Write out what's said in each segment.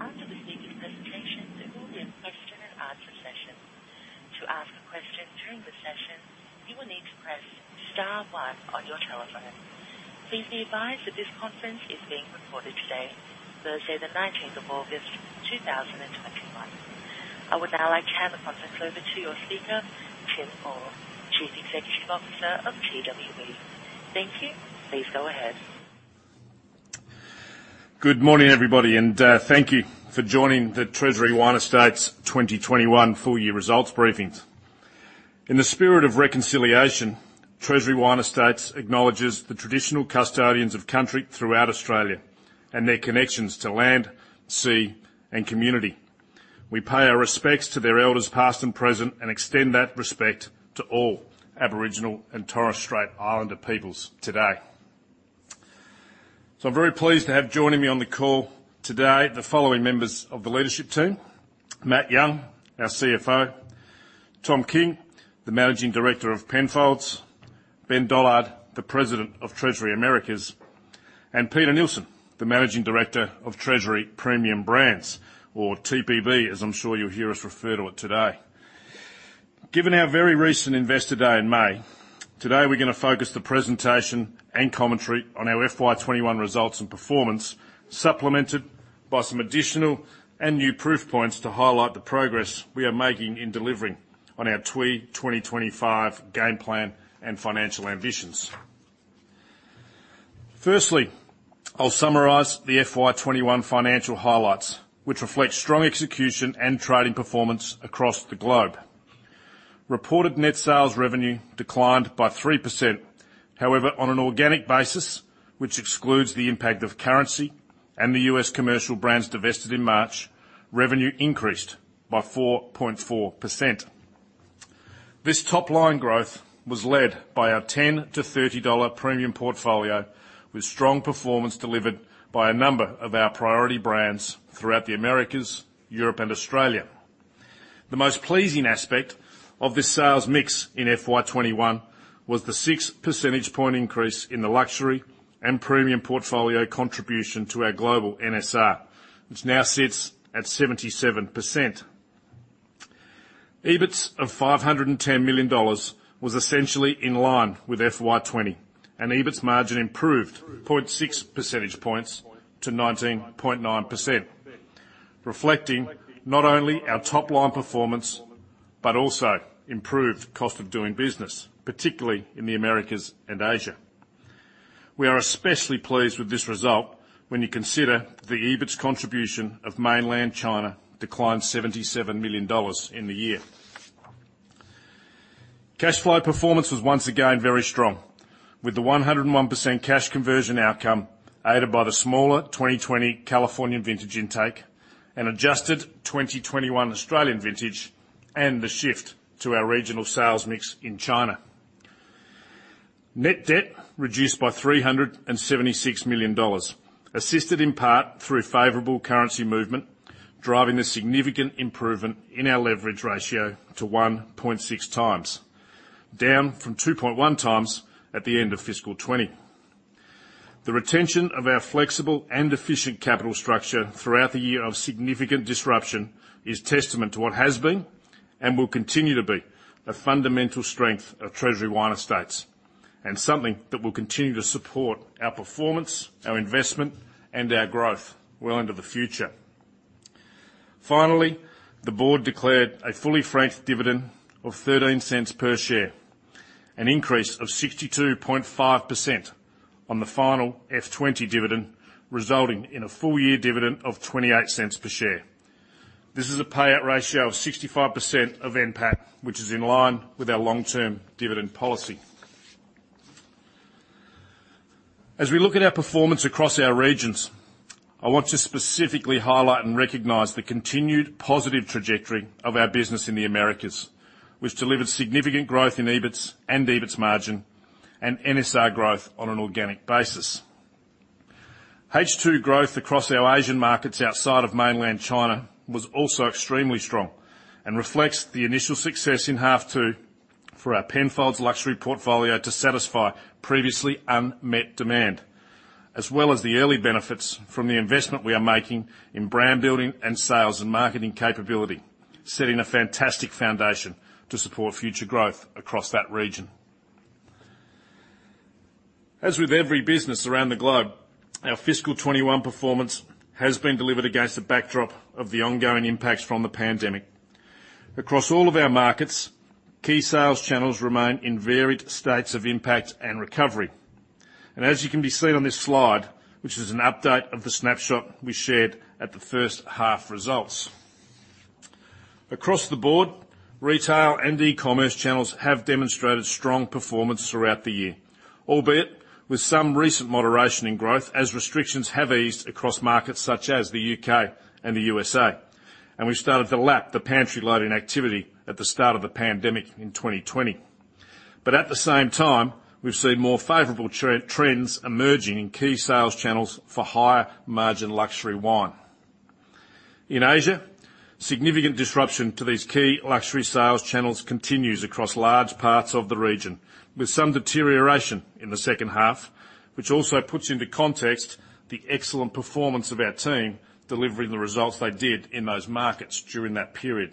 After the speaker's presentation, there will be a question-and-answer session. I would now like to hand the conference over to your speaker, Tim Ford, Chief Executive Officer of TWE. Thank you. Please go ahead. Good morning, everybody, and thank you for joining the Treasury Wine Estates' 2021 full-year results briefings. In the spirit of reconciliation, Treasury Wine Estates acknowledges the traditional custodians of country throughout Australia, and their connections to land, sea and community. We pay our respects to their elders past and present, and extend that respect to all Aboriginal and Torres Strait Islander peoples today. I'm very pleased to have joining me on the call today, the following members of the leadership team, Matt Young, our CFO, Tom King, the Managing Director of Penfolds, Ben Dollard, the President of Treasury Americas, and Peter Neilson, the Managing Director of Treasury Premium Brands, or TPB, as I'm sure you'll hear us refer to it today. Given our very recent investor day in May, we're going to focus the presentation and commentary on our FY 2021 results and performance, supplemented by some additional and new proof points to highlight the progress we are making in delivering on our TWE 2025 game plan and financial ambitions. I'll summarize the FY 2021 financial highlights, which reflect strong execution and trading performance across the globe. Reported net sales revenue declined by 3%. On an organic basis, which excludes the impact of currency and the U.S. commercial brands divested in March, revenue increased by 4.4%. This top line growth was led by our 10 to 30 dollar premium portfolio, with strong performance delivered by a number of our priority brands throughout the Americas, Europe and Australia. The most pleasing aspect of this sales mix in FY 2021 was the six percentage point increase in the luxury and premium portfolio contribution to our global NSR, which now sits at 77%. EBITS of 510 million dollars was essentially in line with FY 2020. EBITS margin improved 0.6 percentage points to 19.9%, reflecting not only our top line performance, but also improved cost of doing business, particularly in the Americas and Asia. We are especially pleased with this result when you consider the EBITS contribution of mainland China declined 77 million dollars in the year. Cash flow performance was once again very strong, with the 101% cash conversion outcome aided by the smaller 2020 Californian vintage intake and adjusted 2021 Australian vintage, and the shift to our regional sales mix in China. Net debt reduced by 376 million dollars, assisted in part through favorable currency movement, driving a significant improvement in our leverage ratio to 1.6x, down from 2.1x at the end of fiscal 2020. The retention of our flexible and efficient capital structure throughout the year of significant disruption is testament to what has been, and will continue to be, the fundamental strength of Treasury Wine Estates, and something that will continue to support our performance, our investment and our growth well into the future. Finally, the board declared a fully franked dividend of 0.13 per share, an increase of 62.5% on the final FY 2020 dividend, resulting in a full-year dividend of 0.28 per share. This is a payout ratio of 65% of NPAT, which is in line with our long-term dividend policy. As we look at our performance across our regions, I want to specifically highlight and recognize the continued positive trajectory of our business in the Americas, which delivered significant growth in EBITS and EBITS margin and NSR growth on an organic basis. H2 growth across our Asian markets outside of mainland China was also extremely strong and reflects the initial success in half two for our Penfolds luxury portfolio to satisfy previously unmet demand, as well as the early benefits from the investment we are making in brand building and sales and marketing capability, setting a fantastic foundation to support future growth across that region. As with every business around the globe, our fiscal 2021 performance has been delivered against the backdrop of the ongoing impacts from the pandemic. Across all of our markets, key sales channels remain in varied states of impact and recovery. As you can be seen on this slide, which is an update of the snapshot we shared at the first half results. Across the board, retail and e-commerce channels have demonstrated strong performance throughout the year, albeit with some recent moderation in growth as restrictions have eased across markets such as the U.K. and the U.S., and we've started to lap the pantry loading activity at the start of the pandemic in 2020. At the same time, we've seen more favorable trends emerging in key sales channels for higher margin luxury wine. In Asia, significant disruption to these key luxury sales channels continues across large parts of the region, with some deterioration in the second half, which also puts into context the excellent performance of our team delivering the results they did in those markets during that period.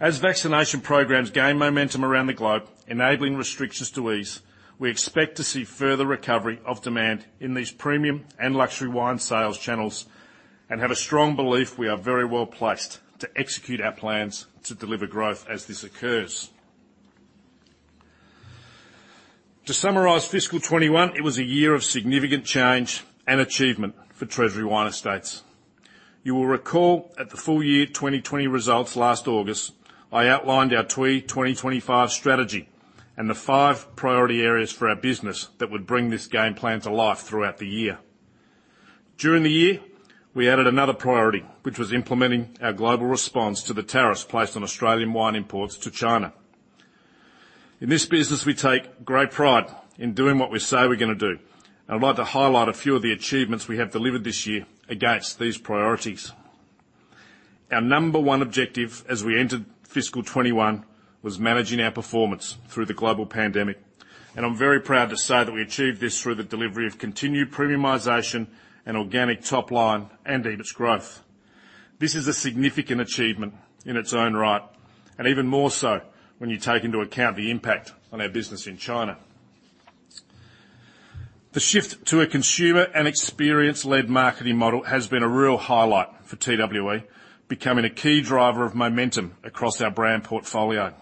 As vaccination programs gain momentum around the globe, enabling restrictions to ease, we expect to see further recovery of demand in these premium and luxury wine sales channels, and have a strong belief we are very well-placed to execute our plans to deliver growth as this occurs. To summarize fiscal 2021, it was a year of significant change and achievement for Treasury Wine Estates. You will recall at the full-year 2020 results last August, I outlined our TWE 2025 strategy, and the five priority areas for our business that would bring this game plan to life throughout the year. During the year, we added another priority, which was implementing our global response to the tariffs placed on Australian wine imports to China. In this business, we take great pride in doing what we say we're going to do, I'd like to highlight a few of the achievements we have delivered this year against these priorities. Our number one objective as we entered fiscal 2021 was managing our performance through the global pandemic, I'm very proud to say that we achieved this through the delivery of continued premiumization and organic top line and EBITS growth. This is a significant achievement in its own right, even more so when you take into account the impact on our business in China. The shift to a consumer and experience-led marketing model has been a real highlight for TWE, becoming a key driver of momentum across our brand portfolio.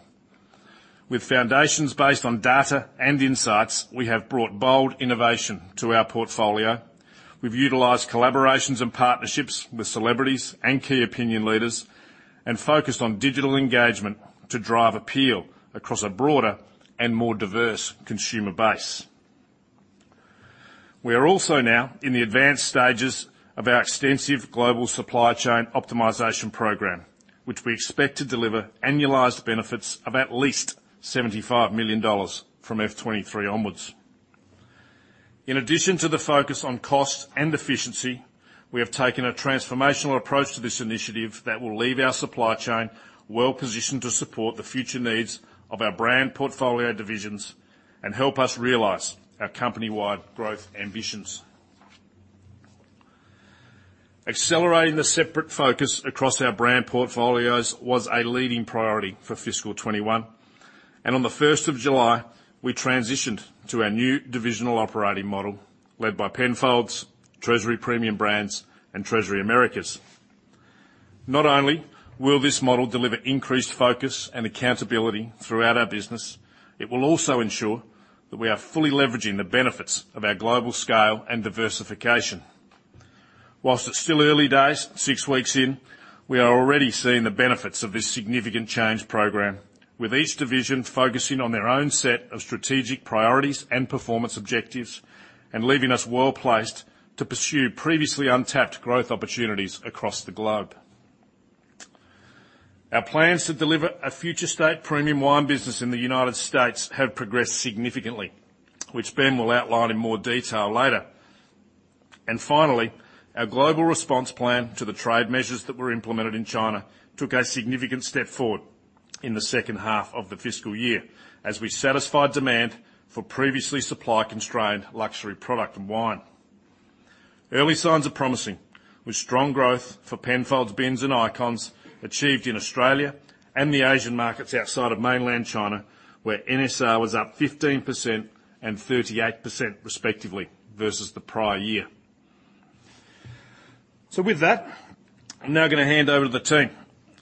With foundations based on data and insights, we have brought bold innovation to our portfolio. We've utilized collaborations and partnerships with celebrities and key opinion leaders, and focused on digital engagement to drive appeal across a broader and more diverse consumer base. We are also now in the advanced stages of our extensive global supply chain optimization program, which we expect to deliver annualized benefits of at least AUD 75 million from FY 2023 onwards. In addition to the focus on cost and efficiency, we have taken a transformational approach to this initiative that will leave our supply chain well-positioned to support the future needs of our brand portfolio divisions and help us realize our company-wide growth ambitions. Accelerating the separate focus across our brand portfolios was a leading priority for fiscal 2021, and on the 1st of July, we transitioned to our new divisional operating model led by Penfolds, Treasury Premium Brands, and Treasury Americas. Not only will this model deliver increased focus and accountability throughout our business, it will also ensure that we are fully leveraging the benefits of our global scale and diversification. Whilst it's still early days, six weeks in, we are already seeing the benefits of this significant change program, with each division focusing on their own set of strategic priorities and performance objectives, and leaving us well-placed to pursue previously untapped growth opportunities across the globe. Our plans to deliver a future state premium wine business in the United States have progressed significantly, which Ben will outline in more detail later. Finally, our global response plan to the trade measures that were implemented in China took a significant step forward in the second half of the fiscal year, as we satisfied demand for previously supply-constrained luxury product and wine. Early signs are promising, with strong growth for Penfolds Bins and Icons achieved in Australia and the Asian markets outside of mainland China, where NSR was up 15% and 38% respectively versus the prior year. With that, I'm now going to hand over to the team,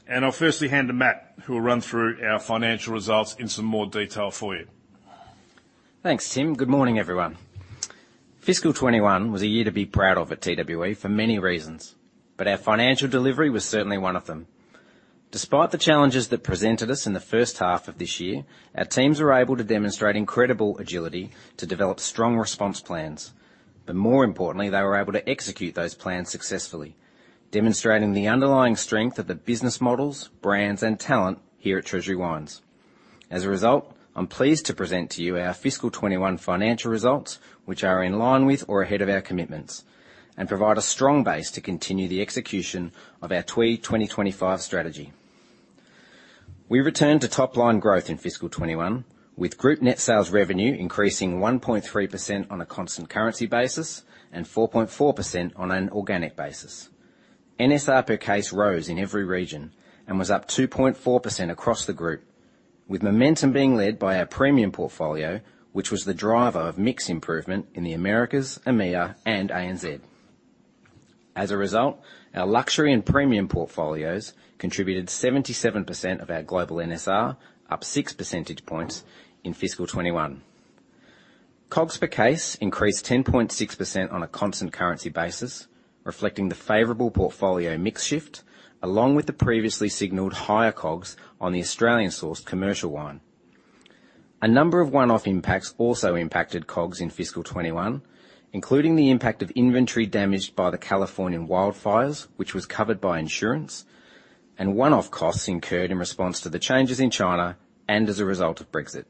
and I'll firstly hand to Matt, who will run through our financial results in some more detail for you. Thanks, Tim. Good morning, everyone. Fiscal 2021 was a year to be proud of at TWE for many reasons. Our financial delivery was certainly one of them. Despite the challenges that presented us in the first half of this year, our teams were able to demonstrate incredible agility to develop strong response plans. More importantly, they were able to execute those plans successfully, demonstrating the underlying strength of the business models, brands, and talent here at Treasury Wines. As a result, I'm pleased to present to you our fiscal 2021 financial results, which are in line with or ahead of our commitments and provide a strong base to continue the execution of our TWE 2025 strategy. We returned to top-line growth in fiscal 2021, with group net sales revenue increasing 1.3% on a constant currency basis and 4.4% on an organic basis. NSR per case rose in every region and was up 2.4% across the group, with momentum being led by our premium portfolio, which was the driver of mix improvement in the Americas, EMEA, and ANZ. As a result, our luxury and premium portfolios contributed 77% of our global NSR, up six percentage points in FY 2021. COGS per case increased 10.6% on a constant currency basis, reflecting the favorable portfolio mix shift, along with the previously signaled higher COGS on the Australian-sourced commercial wine. A number of one-off impacts also impacted COGS in fiscal 2021, including the impact of inventory damaged by the California wildfires, which was covered by insurance, and one-off costs incurred in response to the changes in China and as a result of Brexit.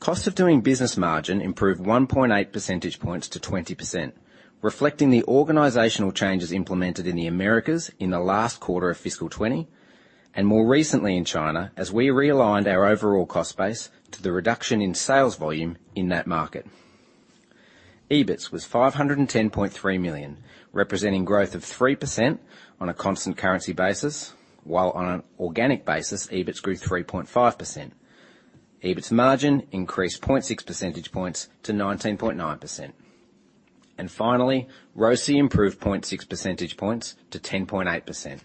Cost of doing business margin improved 1.8 percentage points to 20%, reflecting the organizational changes implemented in the Americas in the last quarter of fiscal 2020, and more recently in China, as we realigned our overall cost base to the reduction in sales volume in that market. EBIT was 510.3 million, representing growth of 3% on a constant currency basis. On an organic basis, EBIT grew 3.5%. EBIT margin increased 0.6 percentage points to 19.9%. Finally, ROCE improved 0.6 percentage points to 10.8%,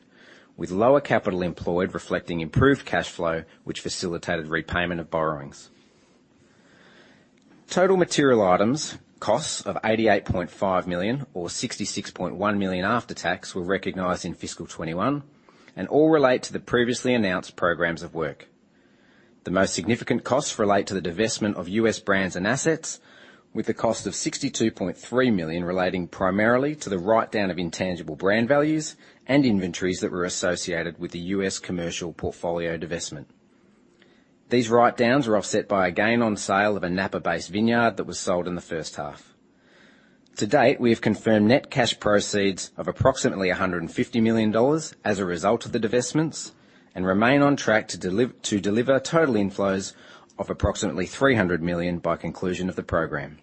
with lower capital employed reflecting improved cash flow, which facilitated repayment of borrowings. Total material items, costs of 88.5 million, or 66.1 million after tax, were recognized in fiscal 2021 and all relate to the previously announced programs of work. The most significant costs relate to the divestment of U.S. brands and assets, with the cost of 62.3 million relating primarily to the write-down of intangible brand values and inventories that were associated with the U.S. commercial portfolio divestment. These write-downs were offset by a gain on sale of a Napa-based vineyard that was sold in the first half. To date, we have confirmed net cash proceeds of approximately 150 million dollars as a result of the divestments, and remain on track to deliver total inflows of approximately 300 million by conclusion of the program.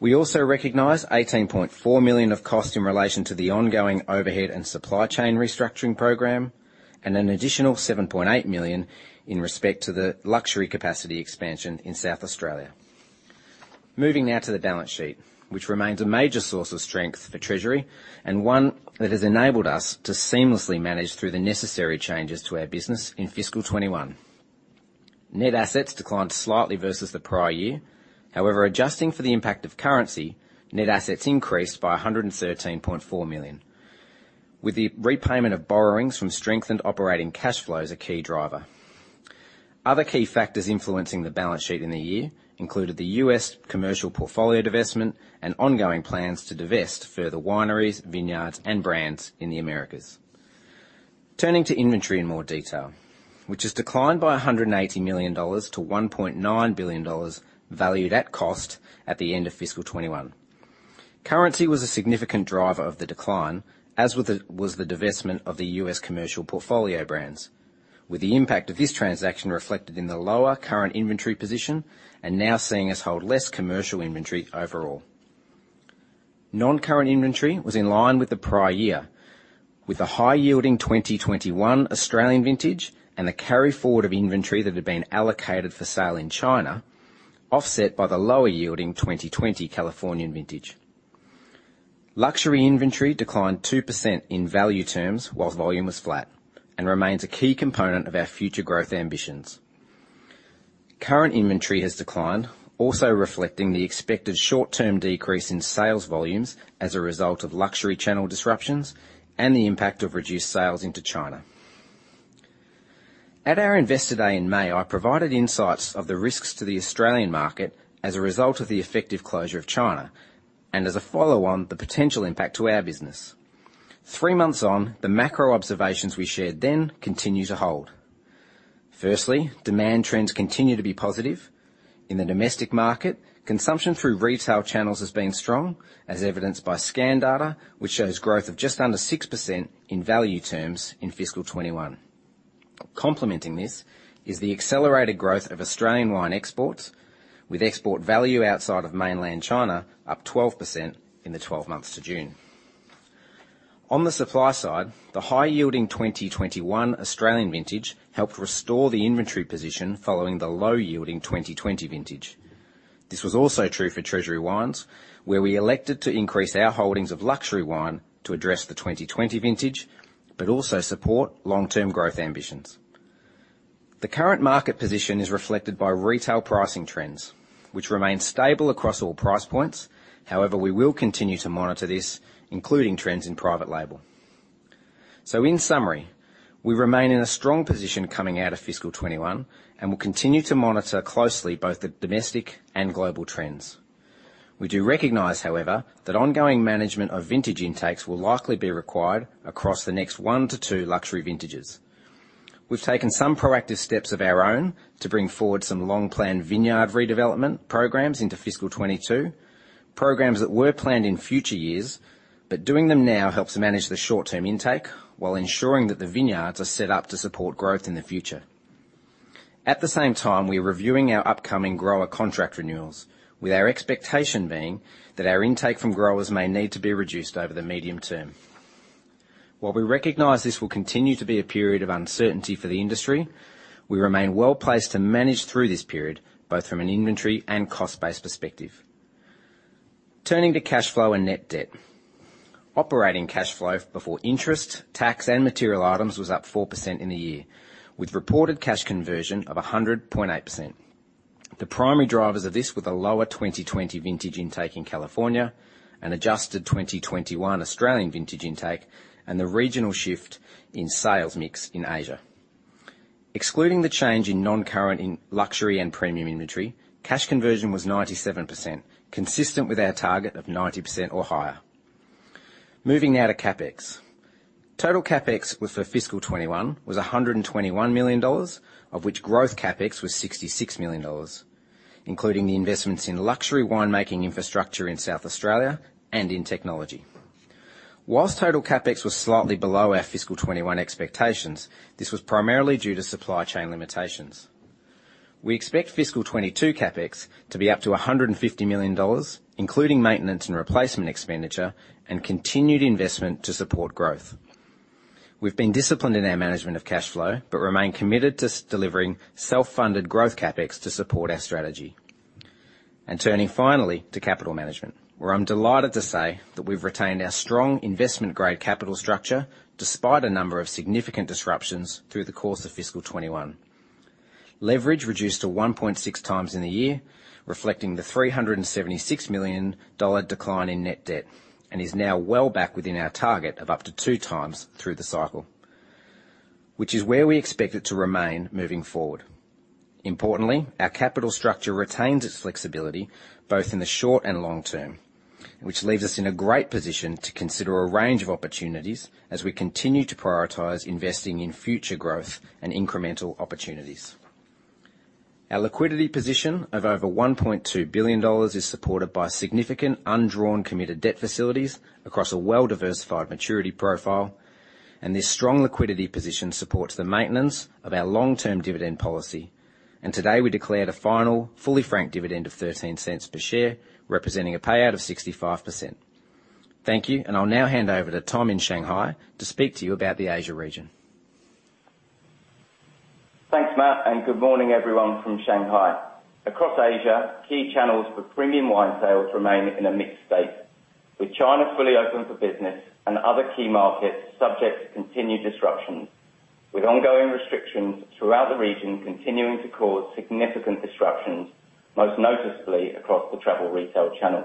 We also recognize 18.4 million of cost in relation to the ongoing overhead and supply chain restructuring program, and an additional 7.8 million in respect to the luxury capacity expansion in South Australia. Moving now to the balance sheet, which remains a major source of strength for Treasury and one that has enabled us to seamlessly manage through the necessary changes to our business in FY 2021. Net assets declined slightly versus the prior year. Adjusting for the impact of currency, net assets increased by 113.4 million, with the repayment of borrowings from strengthened operating cash flows a key driver. Other key factors influencing the balance sheet in the year included the U.S. commercial portfolio divestment and ongoing plans to divest further wineries, vineyards, and brands in the Americas. Turning to inventory in more detail, which has declined by AUD 180 million to AUD 1.9 billion, valued at cost at the end of fiscal 2021. Currency was a significant driver of the decline, as was the divestment of the U.S. commercial portfolio brands. With the impact of this transaction reflected in the lower current inventory position and now seeing us hold less commercial inventory overall. Non-current inventory was in line with the prior year, with the high-yielding 2021 Australian vintage and the carry forward of inventory that had been allocated for sale in China offset by the lower yielding 2020 Californian vintage. Luxury inventory declined 2% in value terms, whilst volume was flat and remains a key component of our future growth ambitions. Current inventory has declined, also reflecting the expected short-term decrease in sales volumes as a result of luxury channel disruptions and the impact of reduced sales into China. At our Investor Day in May, I provided insights of the risks to the Australian market as a result of the effective closure of China, and as a follow-on, the potential impact to our business. Three months on, the macro observations we shared then continue to hold. Firstly, demand trends continue to be positive. In the domestic market, consumption through retail channels has been strong, as evidenced by scan data, which shows growth of just under 6% in value terms in fiscal 2021. Complementing this is the accelerated growth of Australian wine exports, with export value outside of mainland China up 12% in the 12 months to June. On the supply side, the high-yielding 2021 Australian vintage helped restore the inventory position following the low-yielding 2020 vintage. This was also true for Treasury Wines, where we elected to increase our holdings of luxury wine to address the 2020 vintage, but also support long-term growth ambitions. The current market position is reflected by retail pricing trends, which remain stable across all price points. However, we will continue to monitor this, including trends in private label. In summary, we remain in a strong position coming out of fiscal 2021 and will continue to monitor closely both the domestic and global trends. We do recognize, however, that ongoing management of vintage intakes will likely be required across the next one to two luxury vintages. We've taken some proactive steps of our own to bring forward some long-planned vineyard redevelopment programs into fiscal 2022, programs that were planned in future years. Doing them now helps manage the short-term intake while ensuring that the vineyards are set up to support growth in the future. At the same time, we are reviewing our upcoming grower contract renewals, with our expectation being that our intake from growers may need to be reduced over the medium term. While we recognize this will continue to be a period of uncertainty for the industry, we remain well-placed to manage through this period, both from an inventory and cost base perspective. Turning to cash flow and net debt. Operating cash flow before interest, tax, and material items was up 4% in the year, with reported cash conversion of 100.8%. The primary drivers of this were the lower 2020 vintage intake in California, an adjusted 2021 Australian vintage intake, and the regional shift in sales mix in Asia. Excluding the change in non-current in luxury and premium inventory, cash conversion was 97%, consistent with our target of 90% or higher. Moving now to CapEx. Total CapEx for fiscal 2021 was 121 million dollars, of which growth CapEx was 66 million dollars, including the investments in luxury wine making infrastructure in South Australia and in technology. Whilst total CapEx was slightly below our fiscal 2021 expectations, this was primarily due to supply chain limitations. We expect fiscal 2022 CapEx to be up to 150 million dollars, including maintenance and replacement expenditure and continued investment to support growth. We've been disciplined in our management of cash flow, but remain committed to delivering self-funded growth CapEx to support our strategy. Turning finally to capital management, where I'm delighted to say that we've retained our strong investment-grade capital structure despite a number of significant disruptions through the course of fiscal 2021. Leverage reduced to 1.6x in the year, reflecting the 376 million dollar decline in net debt, and is now well back within our target of up to 2x through the cycle, which is where we expect it to remain moving forward. Importantly, our capital structure retains its flexibility both in the short and long term, which leaves us in a great position to consider a range of opportunities as we continue to prioritize investing in future growth and incremental opportunities. Our liquidity position of over 1.2 billion dollars is supported by significant undrawn committed debt facilities across a well-diversified maturity profile, and this strong liquidity position supports the maintenance of our long-term dividend policy. Today, we declared a final fully franked dividend of 0.13 per share, representing a payout of 65%. Thank you. I'll now hand over to Tom in Shanghai to speak to you about the Asia region. Thanks, Matt. Good morning, everyone from Shanghai. Across Asia, key channels for premium wine sales remain in a mixed state, with China fully open for business and other key markets subject to continued disruptions, with ongoing restrictions throughout the region continuing to cause significant disruptions, most noticeably across the travel retail channel.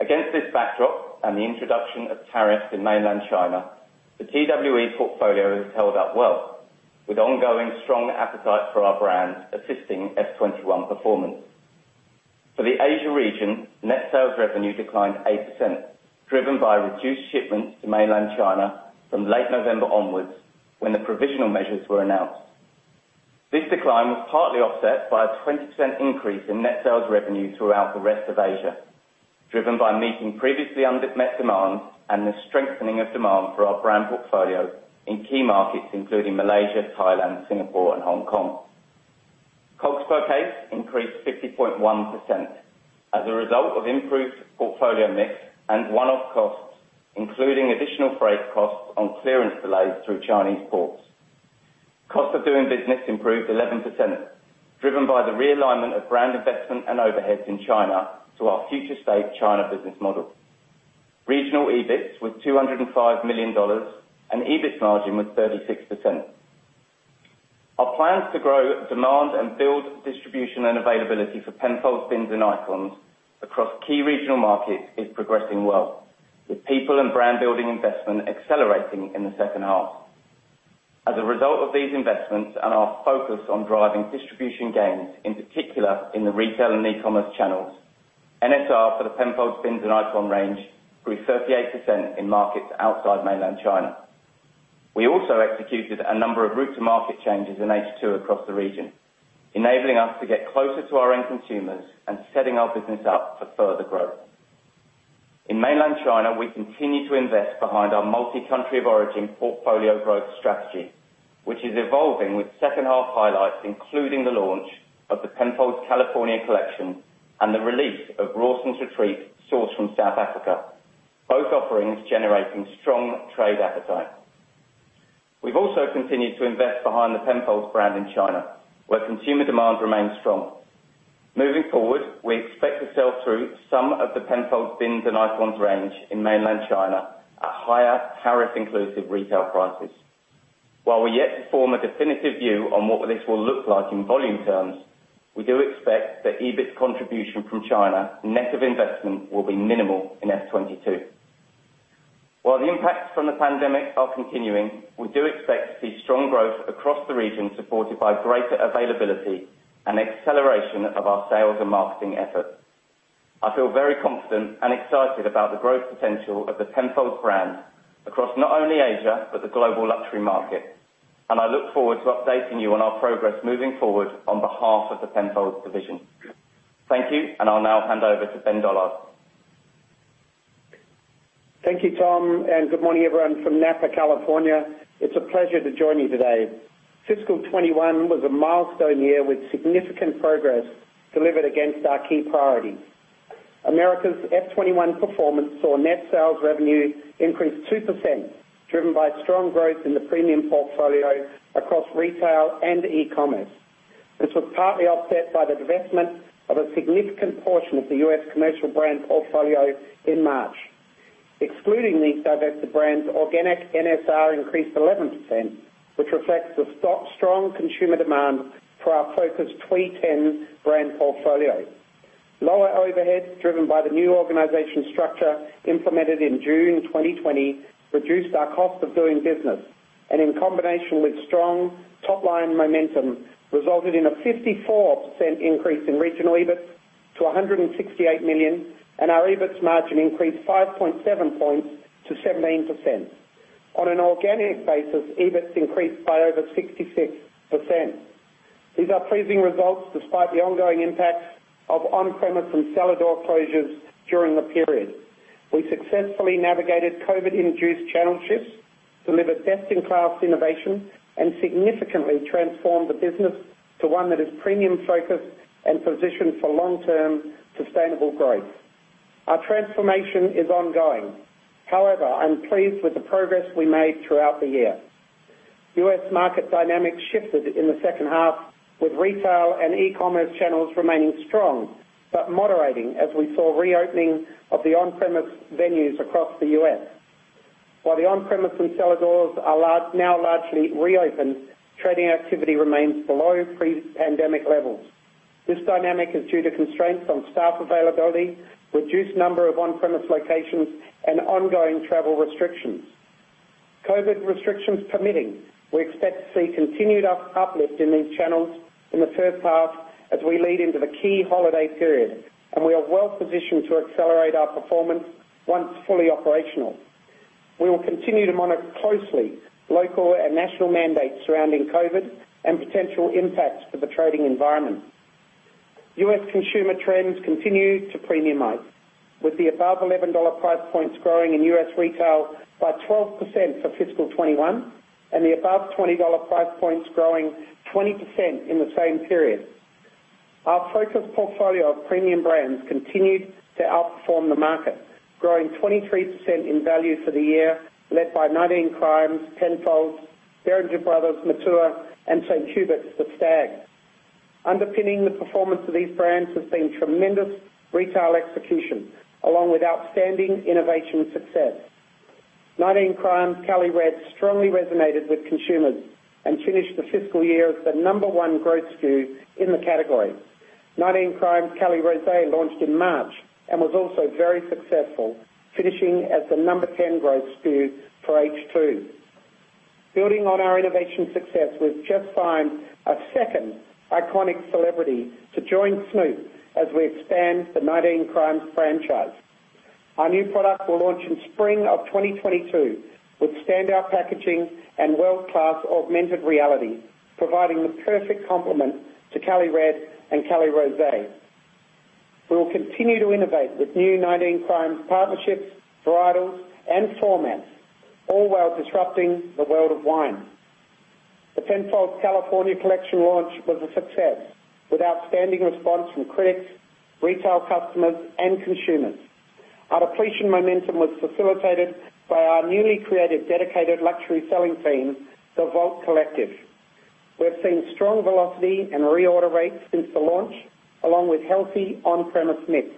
Against this backdrop and the introduction of tariffs in mainland China, the TWE portfolio has held up well, with ongoing strong appetite for our brand assisting FY 2021 performance. For the Asia region, net sales revenue declined 8%, driven by reduced shipments to mainland China from late November onwards, when the provisional measures were announced. This decline was partly offset by a 20% increase in net sales revenue throughout the rest of Asia, driven by meeting previously unmet demand and the strengthening of demand for our brand portfolio in key markets including Malaysia, Thailand, Singapore and Hong Kong. Costs per case increased 50.1% as a result of improved portfolio mix and one-off costs, including additional freight costs on clearance delays through Chinese ports. Cost of doing business improved 11%, driven by the realignment of brand investment and overheads in China to our future state China business model. Regional EBIT was 205 million dollars, and EBIT margin was 36%. Our plans to grow demand and build distribution and availability for Penfolds, Bin and Icons across key regional markets is progressing well. With people and brand-building investment accelerating in the second half. As a result of these investments and our focus on driving distribution gains, in particular in the retail and e-commerce channels, NSR for the Penfolds, Bin and Icon range grew 38% in markets outside mainland China. We also executed a number of route-to-market changes in H2 across the region, enabling us to get closer to our end consumers and setting our business up for further growth. In mainland China, we continue to invest behind our multi-country of origin portfolio growth strategy, which is evolving with second half highlights, including the launch of the Penfolds California Collection and the release of Rawson's Retreat sourced from South Africa, both offerings generating strong trade appetite. We've also continued to invest behind the Penfolds brand in China, where consumer demand remains strong. Moving forward, we expect to sell through some of the Penfolds, Bin and Icons range in mainland China at higher tariff inclusive retail prices. While we're yet to form a definitive view on what this will look like in volume terms, we do expect that EBIT contribution from China, net of investment, will be minimal in FY 2022. While the impacts from the pandemic are continuing, we do expect to see strong growth across the region, supported by greater availability and acceleration of our sales and marketing efforts. I feel very confident and excited about the growth potential of the Penfolds brand across not only Asia but the global luxury market. And I look forward to updating you on our progress moving forward on behalf of the Penfolds division. Thank you, and I'll now hand over to Ben Dollard. Thank you, Tom. Good morning, everyone from Napa, California. It's a pleasure to join you today. Fiscal 2021 was a milestone year with significant progress delivered against our key priorities. Americas' FY 2021 performance saw net sales revenue increase 2%, driven by strong growth in the premium portfolio across retail and e-commerce. This was partly offset by the divestment of a significant portion of the U.S. commercial brand portfolio in March. Excluding these divested brands, organic NSR increased 11%, which reflects the strong consumer demand for our focused TWE Ten brand portfolio. Lower overheads, driven by the new organization structure implemented in June 2020, reduced our cost of doing business, and in combination with strong top-line momentum, resulted in a 54% increase in regional EBIT to 168 million, and our EBITS margin increased 5.7 points to 17%. On an organic basis, EBITS increased by over 66%. These are pleasing results despite the ongoing impacts of on-premise and cellar door closures during the period. We successfully navigated COVID-induced channel shifts, delivered best-in-class innovation, and significantly transformed the business to one that is premium focused and positioned for long-term sustainable growth. Our transformation is ongoing. However, I'm pleased with the progress we made throughout the year. U.S. market dynamics shifted in the second half with retail and e-commerce channels remaining strong, but moderating as we saw reopening of the on-premise venues across the U.S. While the on-premise and cellar doors are now largely reopened, trading activity remains below pre-pandemic levels. This dynamic is due to constraints on staff availability, reduced number of on-premise locations, and ongoing travel restrictions. COVID restrictions permitting, we expect to see continued uplift in these channels in the first half as we lead into the key holiday period, and we are well-positioned to accelerate our performance once fully operational. We will continue to monitor closely local and national mandates surrounding COVID and potential impacts for the trading environment. U.S. consumer trends continue to premiumize, with the above $11 price points growing in U.S. retail by 12% for FY 2021, and the above $20 price points growing 20% in the same period. Our focused portfolio of premium brands continued to outperform the market, growing 23% in value for the year, led by 19 Crimes, Penfolds, Beringer Bros., Matua, and St Hubert's The Stag. Underpinning the performance of these brands has seen tremendous retail execution along with outstanding innovation success. 19 Crimes Cali Red strongly resonated with consumers and finished the fiscal year as the number 1 growth SKU in the category. 19 Crimes Cali Rose launched in March and was also very successful, finishing as the number 10 growth SKU for H2. Building on our innovation success, we've just signed a second iconic celebrity to join Snoop Dogg as we expand the 19 Crimes franchise. Our new product will launch in spring of 2022 with standout packaging and world-class augmented reality, providing the perfect complement to Cali Red and Cali Rose. We will continue to innovate with new 19 Crimes partnerships, varietals, and formats, all while disrupting the world of wine. The Penfolds California Collection launch was a success, with outstanding response from critics, retail customers, and consumers. Our depletion momentum was facilitated by our newly created dedicated luxury selling team, the Vault Collective. We've seen strong velocity and reorder rates since the launch, along with healthy on-premise mix.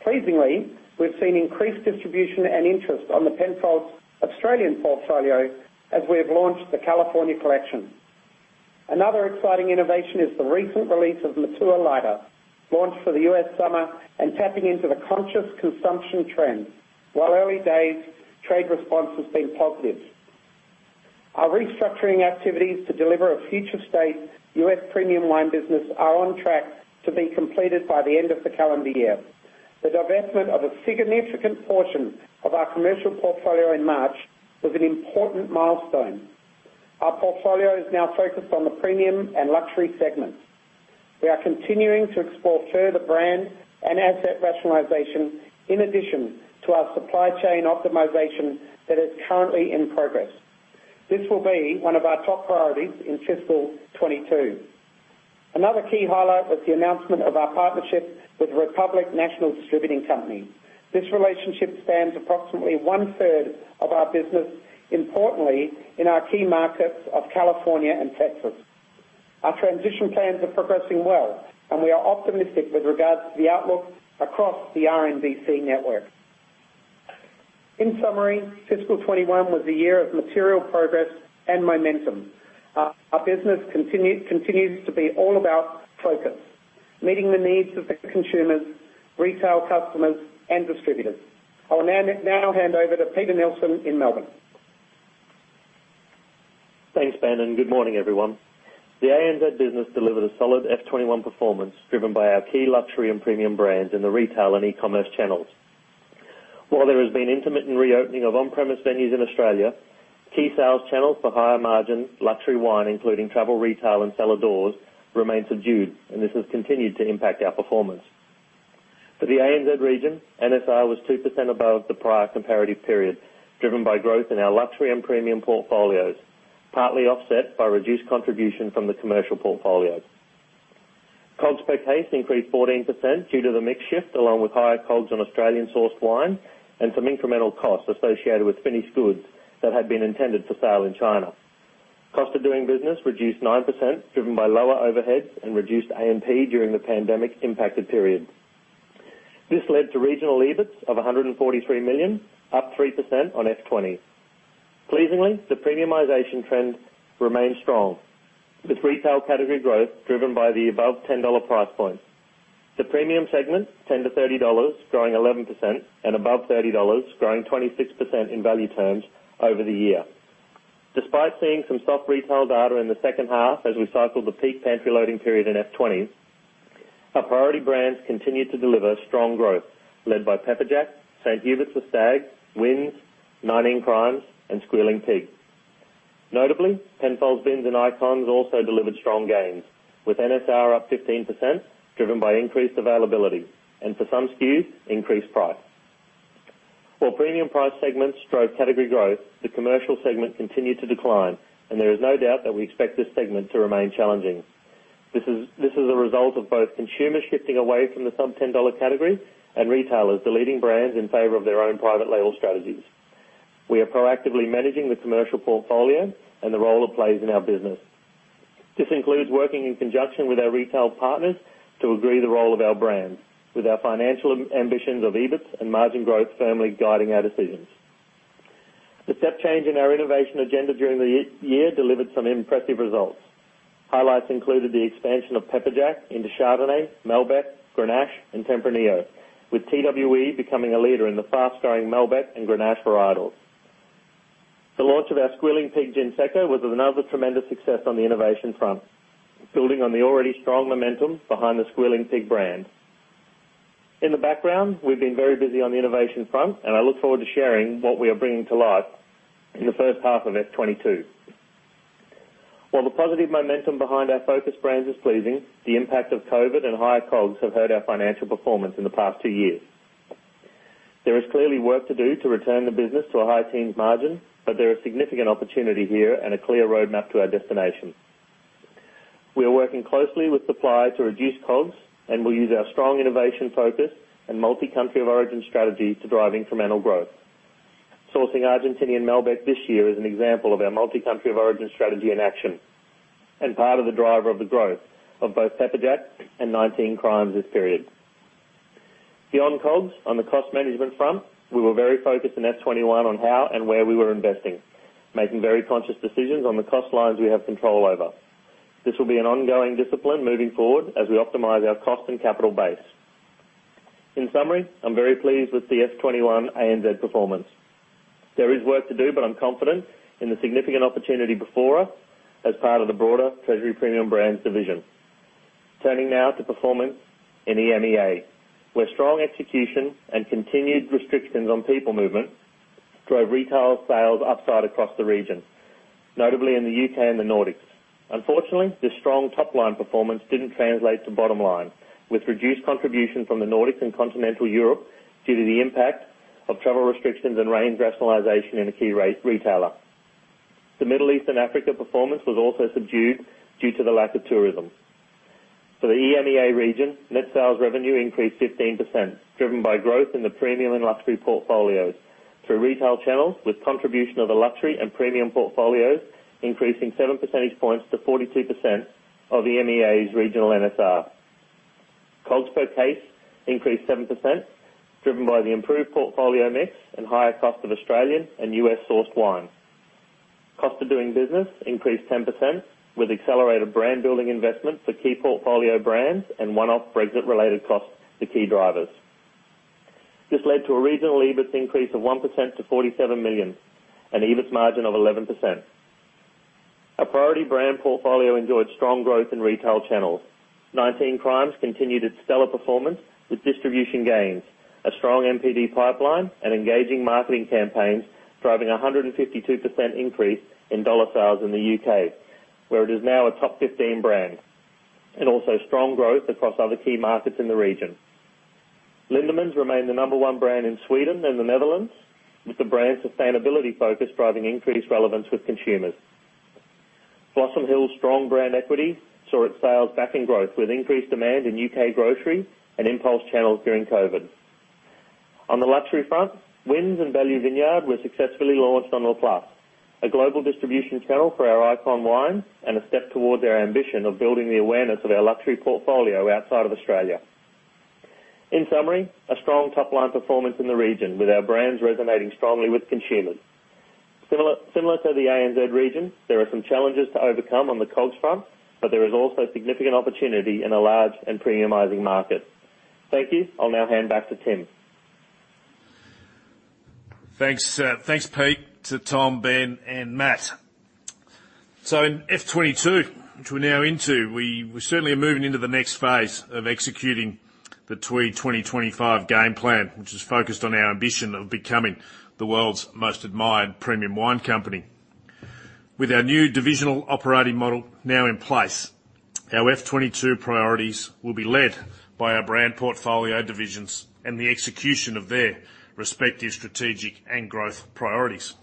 Pleasingly, we've seen increased distribution and interest on the Penfolds Australian portfolio as we have launched the California Collection. Another exciting innovation is the recent release of Matua Lighter, launched for the U.S. summer and tapping into the conscious consumption trend. While early days, trade response has been positive. Our restructuring activities to deliver a future state U.S. premium wine business are on track to be completed by the end of the calendar year. The divestment of a significant portion of our commercial portfolio in March was an important milestone. Our portfolio is now focused on the premium and luxury segments. We are continuing to explore further brand and asset rationalization in addition to our supply chain optimization that is currently in progress. This will be one of our top priorities in fiscal 2022. Another key highlight was the announcement of our partnership with Republic National Distributing Company. This relationship spans approximately 1/3 of our business, importantly, in our key markets of California and Texas. Our transition plans are progressing well. We are optimistic with regards to the outlook across the RNDC network. In summary, fiscal 2021 was a year of material progress and momentum. Our business continues to be all about focus, meeting the needs of the consumers, retail customers, and distributors. I will now hand over to Peter Neilson in Melbourne. Thanks, Ben. Good morning, everyone. The ANZ business delivered a solid FY 2021 performance, driven by our key luxury and premium brands in the retail and e-commerce channels. While there has been intermittent reopening of on-premise venues in Australia, key sales channels for higher margin luxury wine, including travel retail and cellar doors, remain subdued, and this has continued to impact our performance. For the ANZ region, NSR was 2% above the prior comparative period, driven by growth in our luxury and premium portfolios, partly offset by reduced contribution from the commercial portfolio. COGS per case increased 14% due to the mix shift, along with higher COGS on Australian-sourced wine and some incremental costs associated with finished goods that had been intended for sale in China. Cost of doing business reduced 9%, driven by lower overheads and reduced A&P during the pandemic-impacted period. This led to regional EBIT of 143 million, up 3% on FY 2020. Pleasingly, the premiumization trend remains strong, with retail category growth driven by the above 10 dollar price point. The premium segment, 10-30 dollars, growing 11%, and above 30 dollars, growing 26% in value terms over the year. Despite seeing some soft retail data in the second half as we cycled the peak pantry loading period in FY 2020, our priority brands continued to deliver strong growth, led by Pepperjack, St Hubert's The Stag, Wynns, 19 Crimes, and Squealing Pig. Notably, Penfolds Bins and Icons also delivered strong gains, with NSR up 15%, driven by increased availability, and for some SKUs, increased price. While premium price segments drove category growth, the commercial segment continued to decline, and there is no doubt that we expect this segment to remain challenging. This is a result of both consumers shifting away from the sub-AUD 10 category and retailers deleting brands in favor of their own private label strategies. We are proactively managing the commercial portfolio and the role it plays in our business. This includes working in conjunction with our retail partners to agree the role of our brands, with our financial ambitions of EBITS and margin growth firmly guiding our decisions. The step change in our innovation agenda during the year delivered some impressive results. Highlights included the expansion of Pepperjack into Chardonnay, Malbec, Grenache, and Tempranillo, with TWE becoming a leader in the fast-growing Malbec and Grenache varietals. The launch of our Squealing Pig Ginsecco was another tremendous success on the innovation front, building on the already strong momentum behind the Squealing Pig brand. In the background, we've been very busy on the innovation front, and I look forward to sharing what we are bringing to life in the first half of FY 2022. While the positive momentum behind our focus brands is pleasing, the impact of COVID and higher COGS have hurt our financial performance in the past two years. There is clearly work to do to return the business to a high teens margin, but there is significant opportunity here and a clear roadmap to our destination. We are working closely with suppliers to reduce COGS and will use our strong innovation focus and multi-country of origin strategy to drive incremental growth. Sourcing Argentinian Malbec this year is an example of our multi-country of origin strategy in action, and part of the driver of the growth of both Pepperjack and 19 Crimes this period. Beyond COGS, on the cost management front, we were very focused in FY 2021 on how and where we were investing, making very conscious decisions on the cost lines we have control over. This will be an ongoing discipline moving forward as we optimize our cost and capital base. In summary, I'm very pleased with the FY 2021 ANZ performance. There is work to do, but I'm confident in the significant opportunity before us as part of the broader Treasury Premium Brands division. Turning now to performance in EMEA, where strong execution and continued restrictions on people movement drove retail sales upside across the region, notably in the U.K. and the Nordics. Unfortunately, this strong top-line performance didn't translate to bottom line, with reduced contribution from the Nordics and continental Europe due to the impact of travel restrictions and range rationalization in a key retailer. The Middle East and Africa performance was also subdued due to the lack of tourism. For the EMEA region, net sales revenue increased 15%, driven by growth in the premium and luxury portfolios through retail channels, with contribution of the luxury and premium portfolios increasing seven percentage points to 42% of EMEA's regional NSR. COGS per case increased 7%, driven by the improved portfolio mix and higher cost of Australian and U.S.-sourced wines. Cost of doing business increased 10%, with accelerated brand-building investment for key portfolio brands and one-off Brexit-related costs the key drivers. This led to a regional EBIT increase of 1% to 47 million, an EBIT margin of 11%. Our priority brand portfolio enjoyed strong growth in retail channels. 19 Crimes continued its stellar performance with distribution gains, a strong NPD pipeline, and engaging marketing campaigns, driving 152% increase in AUD sales in the U.K., where it is now a top 15 brand, and also strong growth across other key markets in the region. Lindeman's remained the number 1 brand in Sweden and the Netherlands, with the brand's sustainability focus driving increased relevance with consumers. Blossom Hill's strong brand equity saw its sales backing growth, with increased demand in U.K. grocery and impulse channels during COVID. On the luxury front, Wynns and Valley Vineyard were successfully launched on La Place, a global distribution channel for our Icon wines and a step towards our ambition of building the awareness of our luxury portfolio outside of Australia. In summary, a strong top-line performance in the region, with our brands resonating strongly with consumers. Similar to the ANZ region, there are some challenges to overcome on the COGS front. There is also significant opportunity in a large and premiumizing market. Thank you. I'll now hand back to Tim. Thanks, Peter, to Tom, Ben, and Matt. In FY 2022, which we're now into, we certainly are moving into the next phase of executing the TWE 2025 game plan, which is focused on our ambition of becoming the world's most admired premium wine company. With our new divisional operating model now in place, our FY 2022 priorities will be led by our brand portfolio divisions and the execution of their respective strategic and growth priorities.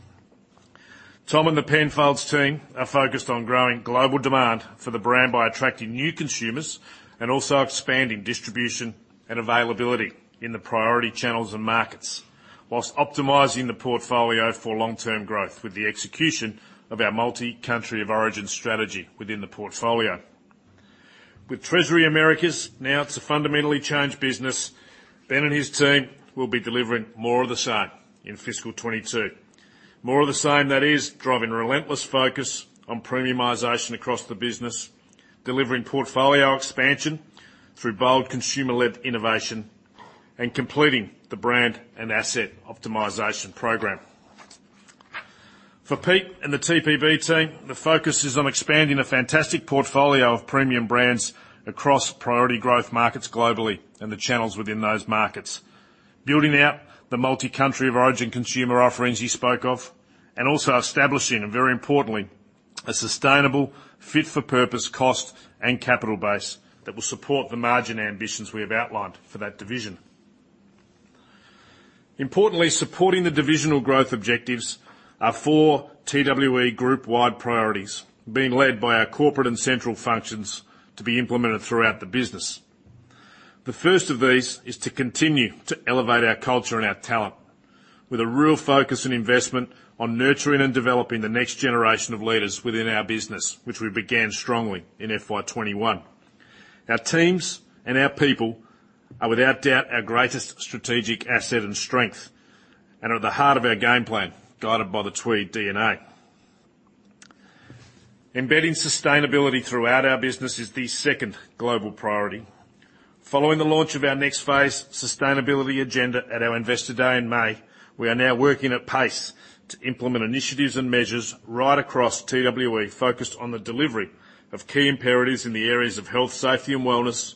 Tom and the Penfolds team are focused on growing global demand for the brand by attracting new consumers and also expanding distribution and availability in the priority channels and markets, whilst optimizing the portfolio for long-term growth with the execution of our multi-country of origin strategy within the portfolio. With Treasury Americas, now it's a fundamentally changed business. Ben and his team will be delivering more of the same in FY 2022. More of the same, that is, driving relentless focus on premiumization across the business, delivering portfolio expansion through bold consumer-led innovation. Completing the brand and asset optimization program. For Peter and the TPB team, the focus is on expanding a fantastic portfolio of premium brands across priority growth markets globally and the channels within those markets, building out the multi-country of origin consumer offerings he spoke of, and also establishing, and very importantly, a sustainable fit for purpose, cost, and capital base that will support the margin ambitions we have outlined for that division. Importantly, supporting the divisional growth objectives are four TWE group-wide priorities being led by our corporate and central functions to be implemented throughout the business. The first of these is to continue to elevate our culture and our talent with a real focus and investment on nurturing and developing the next generation of leaders within our business, which we began strongly in FY 2021. Our teams and our people are without doubt our greatest strategic asset and strength, and are at the heart of our game plan, guided by the TWE DNA. Embedding sustainability throughout our business is the second global priority. Following the launch of our next phase, Sustainability Agenda, at our Investor Day in May, we are now working at pace to implement initiatives and measures right across TWE, focused on the delivery of key imperatives in the areas of health, safety and wellness,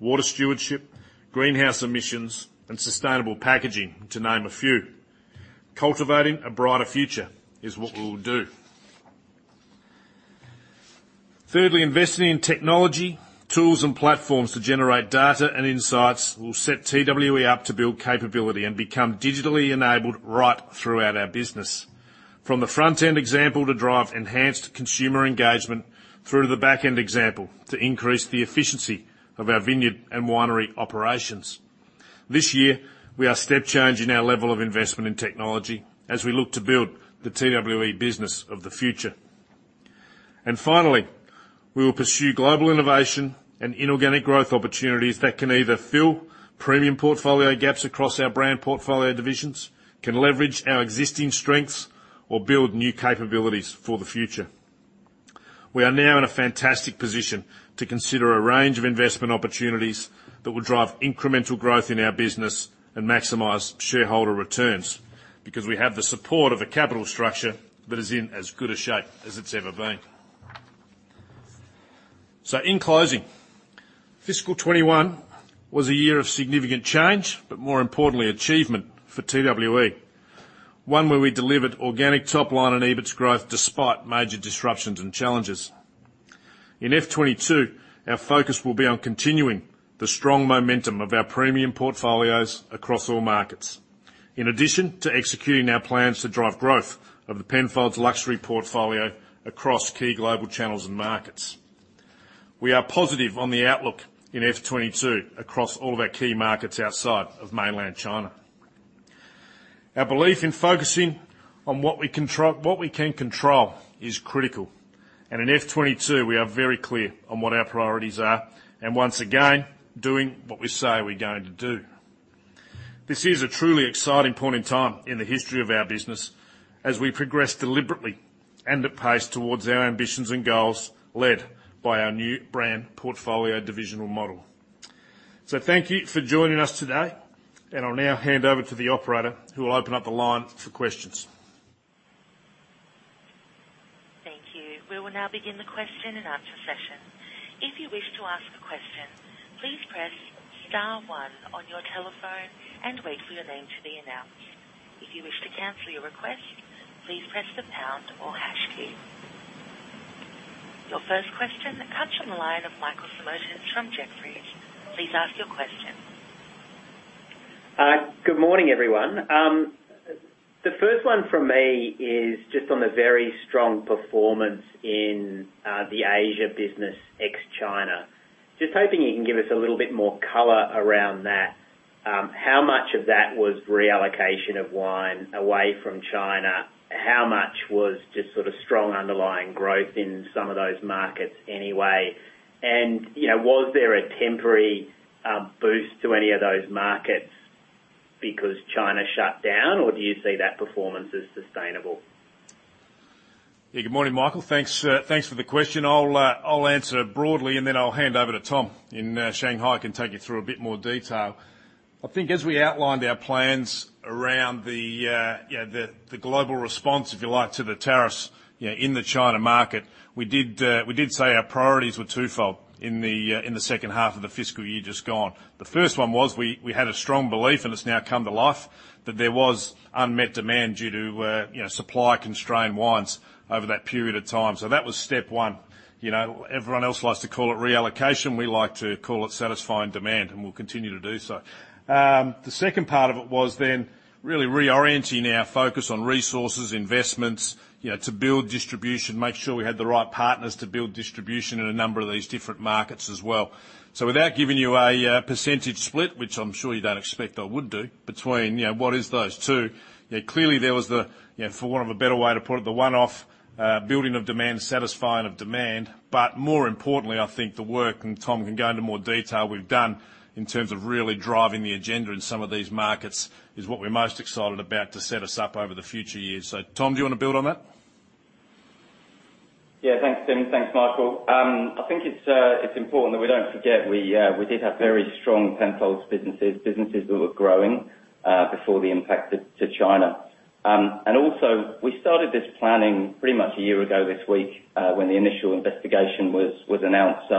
water stewardship, greenhouse emissions and sustainable packaging, to name a few. Cultivating a brighter future is what we will do. Thirdly, investing in technology, tools, and platforms to generate data and insights will set TWE up to build capability and become digitally enabled right throughout our business. From the front-end example to drive enhanced consumer engagement, through to the back-end example to increase the efficiency of our vineyard and winery operations. This year, we are step-changing our level of investment in technology as we look to build the TWE business of the future. Finally, we will pursue global innovation and inorganic growth opportunities that can either fill premium portfolio gaps across our brand portfolio divisions, can leverage our existing strengths, or build new capabilities for the future. We are now in a fantastic position to consider a range of investment opportunities that will drive incremental growth in our business and maximize shareholder returns, because we have the support of a capital structure that is in as good a shape as it's ever been. In closing, FY 2021 was a year of significant change, but more importantly, achievement for TWE. One where we delivered organic top line and EBIT growth despite major disruptions and challenges. In FY 2022, our focus will be on continuing the strong momentum of our premium portfolios across all markets, in addition to executing our plans to drive growth of the Penfolds luxury portfolio across key global channels and markets. We are positive on the outlook in FY 2022 across all of our key markets outside of mainland China. Our belief in focusing on what we can control is critical. In FY 2022, we are very clear on what our priorities are. Once again, doing what we say we're going to do. This is a truly exciting point in time in the history of our business as we progress deliberately and at pace towards our ambitions and goals led by our new brand portfolio divisional model. Thank you for joining us today. I'll now hand over to the operator, who will open up the line for questions. Thank you. We will now begin the question-and-answer session. If you wish to ask a question, please press star one on your telephone and wait for your name to be announced. If you wish to cancel your request, please press the pound or hash key. Your first question comes from the line of Michael Simotas from Jefferies. Please ask your question. Good morning, everyone. The first one from me is just on the very strong performance in the Asia business, ex-China. Just hoping you can give us a little bit more color around that. How much of that was reallocation of wine away from China? How much was just sort of strong underlying growth in some of those markets anyway? Was there a temporary boost to any of those markets because China shut down, or do you see that performance as sustainable? Yeah, good morning, Michael. Thanks. Thanks for the question. I'll answer broadly, and then I'll hand over to Tom in Shanghai who can take you through a bit more detail. I think as we outlined our plans around the global response, if you like, to the tariffs in the China market, we did say our priorities were twofold in the second half of the fiscal year just gone. The first one was we had a strong belief, and it's now come to life, that there was unmet demand due to supply-constrained wines over that period of time. That was step one. Everyone else likes to call it reallocation. We like to call it satisfying demand, and we'll continue to do so. The second part of it was then really reorienting our focus on resources, investments, to build distribution, make sure we had the right partners to build distribution in a number of these different markets as well. Without giving you a percentage split, which I'm sure you don't expect I would do, between what is those two. Clearly, there was the, for want of a better way to put it, the one-off building of demand, satisfying of demand. More importantly, I think the work, and Tom can go into more detail, we've done in terms of really driving the agenda in some of these markets is what we're most excited about to set us up over the future years. Tom, do you want to build on that? Yeah. Thanks, Tim. Thanks, Michael. I think it's important that we don't forget we did have very strong Penfolds businesses that were growing before the impact to China. Also, we started this planning pretty much a year ago this week when the initial investigation was announced.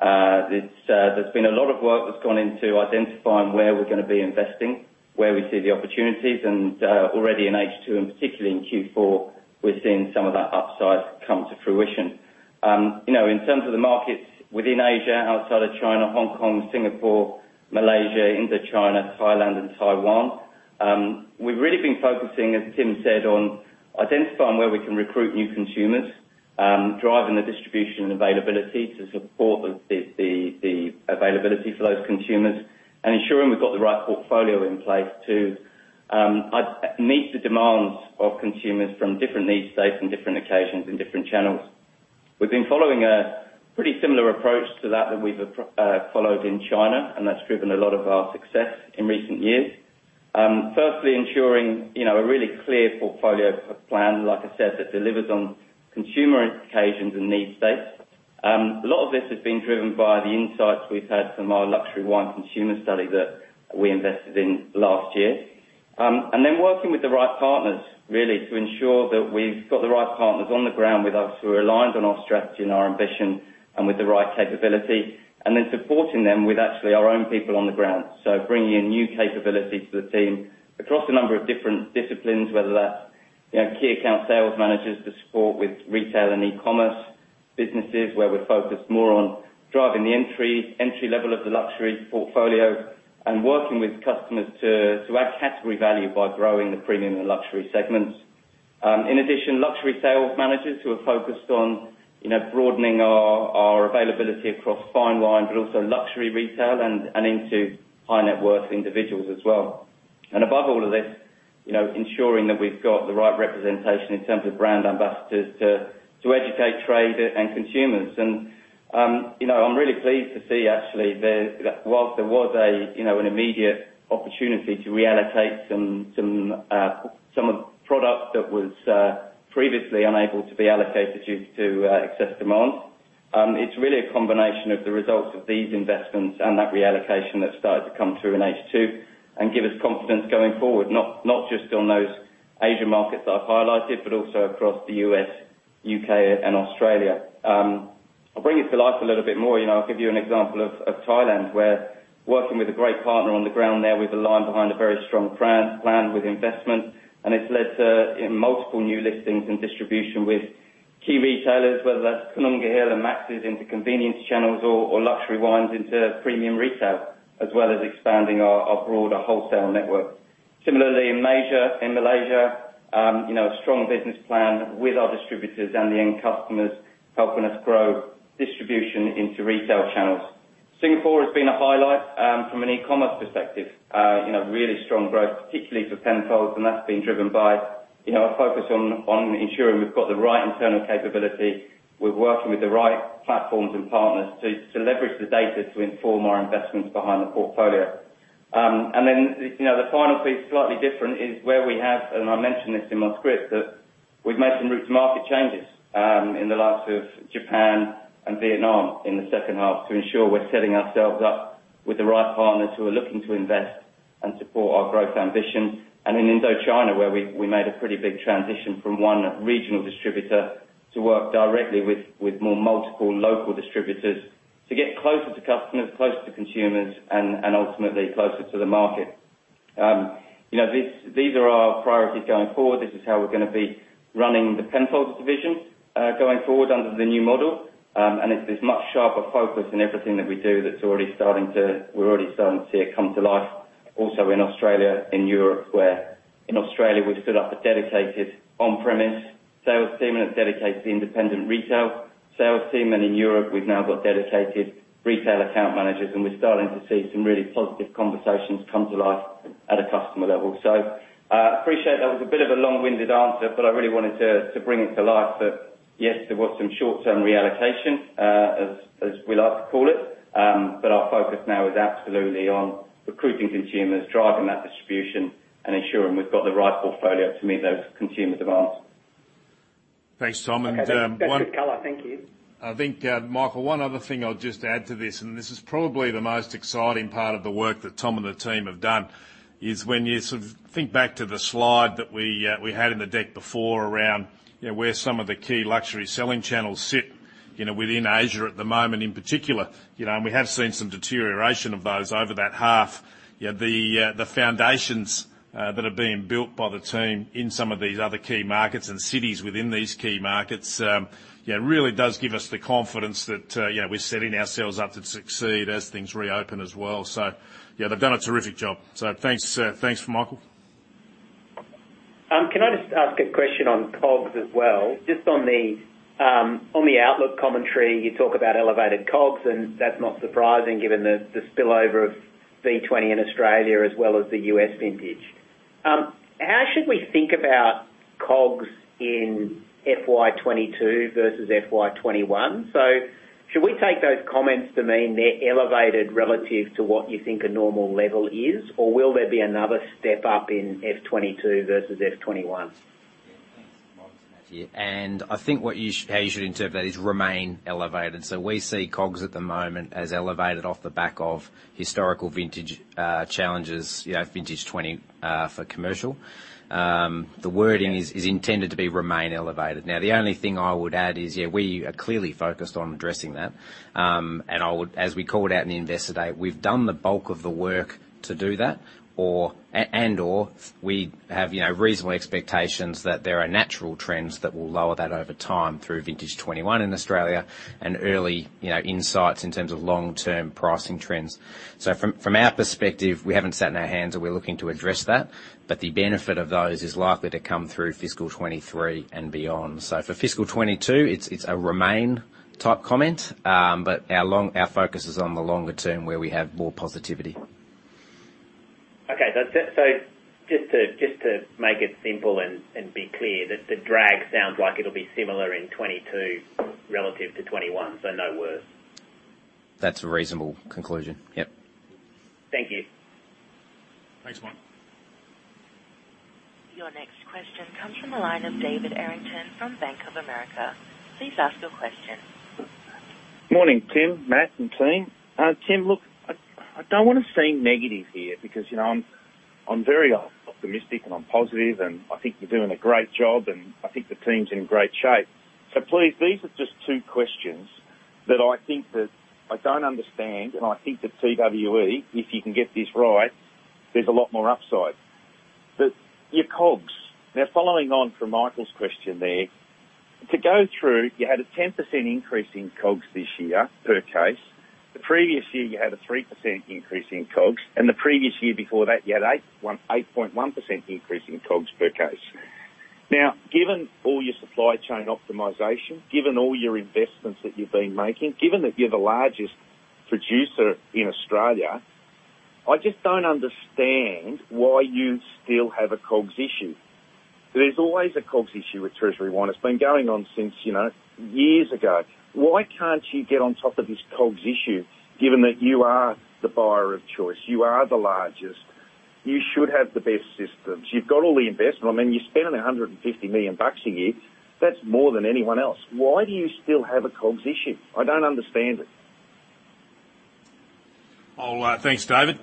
There's been a lot of work that's gone into identifying where we're going to be investing, where we see the opportunities, and already in H2, and particularly in Q4, we're seeing some of that upside come to fruition. In terms of the markets within Asia, outside of China, Hong Kong, Singapore, Malaysia, Indochina, Thailand, and Taiwan, we've really been focusing, as Tim said, on identifying where we can recruit new consumers, driving the distribution and availability to support the availability for those consumers, and ensuring we've got the right portfolio in place to meet the demands of consumers from different need states and different occasions and different channels. We've been following a pretty similar approach to that we've followed in China, and that's driven a lot of our success in recent years. Firstly, ensuring a really clear portfolio plan, like I said, that delivers on consumer occasions and need states. A lot of this has been driven by the insights we've had from our luxury wine consumer study that we invested in last year. Then working with the right partners, really, to ensure that we've got the right partners on the ground with us who are aligned on our strategy and our ambition and with the right capability, then supporting them with actually our own people on the ground. Bringing in new capability to the team across a number of different disciplines, whether that's key account sales managers to support with retail and e-commerce businesses, where we're focused more on driving the entry level of the luxury portfolio and working with customers to add category value by growing the premium and luxury segments. In addition, luxury sales managers who are focused on broadening our availability across fine wine, but also luxury retail and into high-net-worth individuals as well. Above all of this, ensuring that we've got the right representation in terms of brand ambassadors to educate trade and consumers. I'm really pleased to see, actually, whilst there was an immediate opportunity to reallocate some of product that was previously unable to be allocated due to excess demand, it's really a combination of the results of these investments and that reallocation that started to come through in H2 and give us confidence going forward, not just on those Asian markets that I've highlighted, but also across the U.S., U.K., and Australia. I'll bring it to life a little bit more. I'll give you an example of Thailand, where working with a great partner on the ground there, we've aligned behind a very strong plan with investment, and it's led to multiple new listings and distribution with key retailers, whether that's Koonunga Hill and Max's into convenience channels or luxury wines into premium retail, as well as expanding our broader wholesale network. Similarly, in Malaysia, a strong business plan with our distributors and the end customers helping us grow distribution into retail channels. Singapore has been a highlight from an e-commerce perspective. Really strong growth, particularly for Penfolds. That's been driven by our focus on ensuring we've got the right internal capability. We're working with the right platforms and partners to leverage the data to inform our investments behind the portfolio. The final piece, slightly different, is where we have, and I mentioned this in my script, that we've made some route-to-market changes in the likes of Japan and Vietnam in the second half to ensure we're setting ourselves up with the right partners who are looking to invest and support our growth ambition. In Indochina, where we made a pretty big transition from one regional distributor to work directly with more multiple local distributors to get closer to customers, closer to consumers, and ultimately closer to the market. These are our priorities going forward. This is how we're going to be running the Penfolds division going forward under the new model. It's this much sharper focus in everything that we do that we're already starting to see it come to life also in Australia and Europe, where in Australia we've set up a dedicated on-premise sales team and a dedicated independent retail sales team. In Europe, we've now got dedicated retail account managers, and we're starting to see some really positive conversations come to life at a customer level. I appreciate that was a bit of a long-winded answer, but I really wanted to bring it to life that, yes, there was some short-term reallocation, as we like to call it. Our focus now is absolutely on recruiting consumers, driving that distribution, and ensuring we've got the right portfolio to meet those consumer demands. Thanks, Tom. Okay. That's good color. Thank you. I think, Michael, one other thing I'll just add to this. This is probably the most exciting part of the work that Tom and the team have done, is when you think back to the slide that we had in the deck before around where some of the key luxury selling channels sit within Asia at the moment, in particular. We have seen some deterioration of those over that half. The foundations that are being built by the team in some of these other key markets and cities within these key markets really does give us the confidence that we're setting ourselves up to succeed as things reopen as well. Yeah, they've done a terrific job. Thanks, Michael. Can I just ask a question on COGS as well? Just on the outlook commentary, you talk about elevated COGS, and that's not surprising given the spillover of V20 in Australia as well as the U.S. vintage. How should we think about COGS in FY 2022 vs. FY 2021? Should we take those comments to mean they're elevated relative to what you think a normal level is, or will there be another step up in FY 2022 vs. FY 2021? Thanks, Mike. It's Matt here. I think how you should interpret that is remain elevated. We see COGS at the moment as elevated off the back of historical vintage challenges, vintage 20 for commercial. The wording is intended to be remain elevated. The only thing I would add is, we are clearly focused on addressing that. As we called out in the investor day, we've done the bulk of the work to do that and/or we have reasonable expectations that there are natural trends that will lower that over time through vintage 21 in Australia and early insights in terms of long-term pricing trends. From our perspective, we haven't sat on our hands, and we're looking to address that, but the benefit of those is likely to come through fiscal 23 and beyond. For fiscal 2022, it's a remain type comment, but our focus is on the longer term where we have more positivity. Okay. Just to make it simple and be clear, the drag sounds like it'll be similar in 2022 relative to 2021, so no worse. That's a reasonable conclusion. Yep. Thank you. Thanks, Mike. Your next question comes from the line of David Errington from Bank of America. Please ask your question. Morning, Tim, Matt, and team. Tim, look, I don't want to seem negative here because I'm very optimistic, and I'm positive, and I think you're doing a great job, and I think the team's in great shape. Please, these are just two questions that I think that I don't understand, and I think that TWE, if you can get this right, there's a lot more upside. Your COGS. Following on from Michael's question there. To go through, you had a 10% increase in COGS this year per case. The previous year, you had a 3% increase in COGS, and the previous year before that, you had 8.1% increase in COGS per case. Given all your supply chain optimization, given all your investments that you've been making, given that you're the largest producer in Australia, I just don't understand why you still have a COGS issue. There's always a COGS issue with Treasury Wine. It's been going on since years ago. Why can't you get on top of this COGS issue, given that you are the buyer of choice? You are the largest. You should have the best systems. You've got all the investment. I mean, you're spending 150 million bucks a year. That's more than anyone else. Why do you still have a COGS issue? I don't understand it. Thanks, David.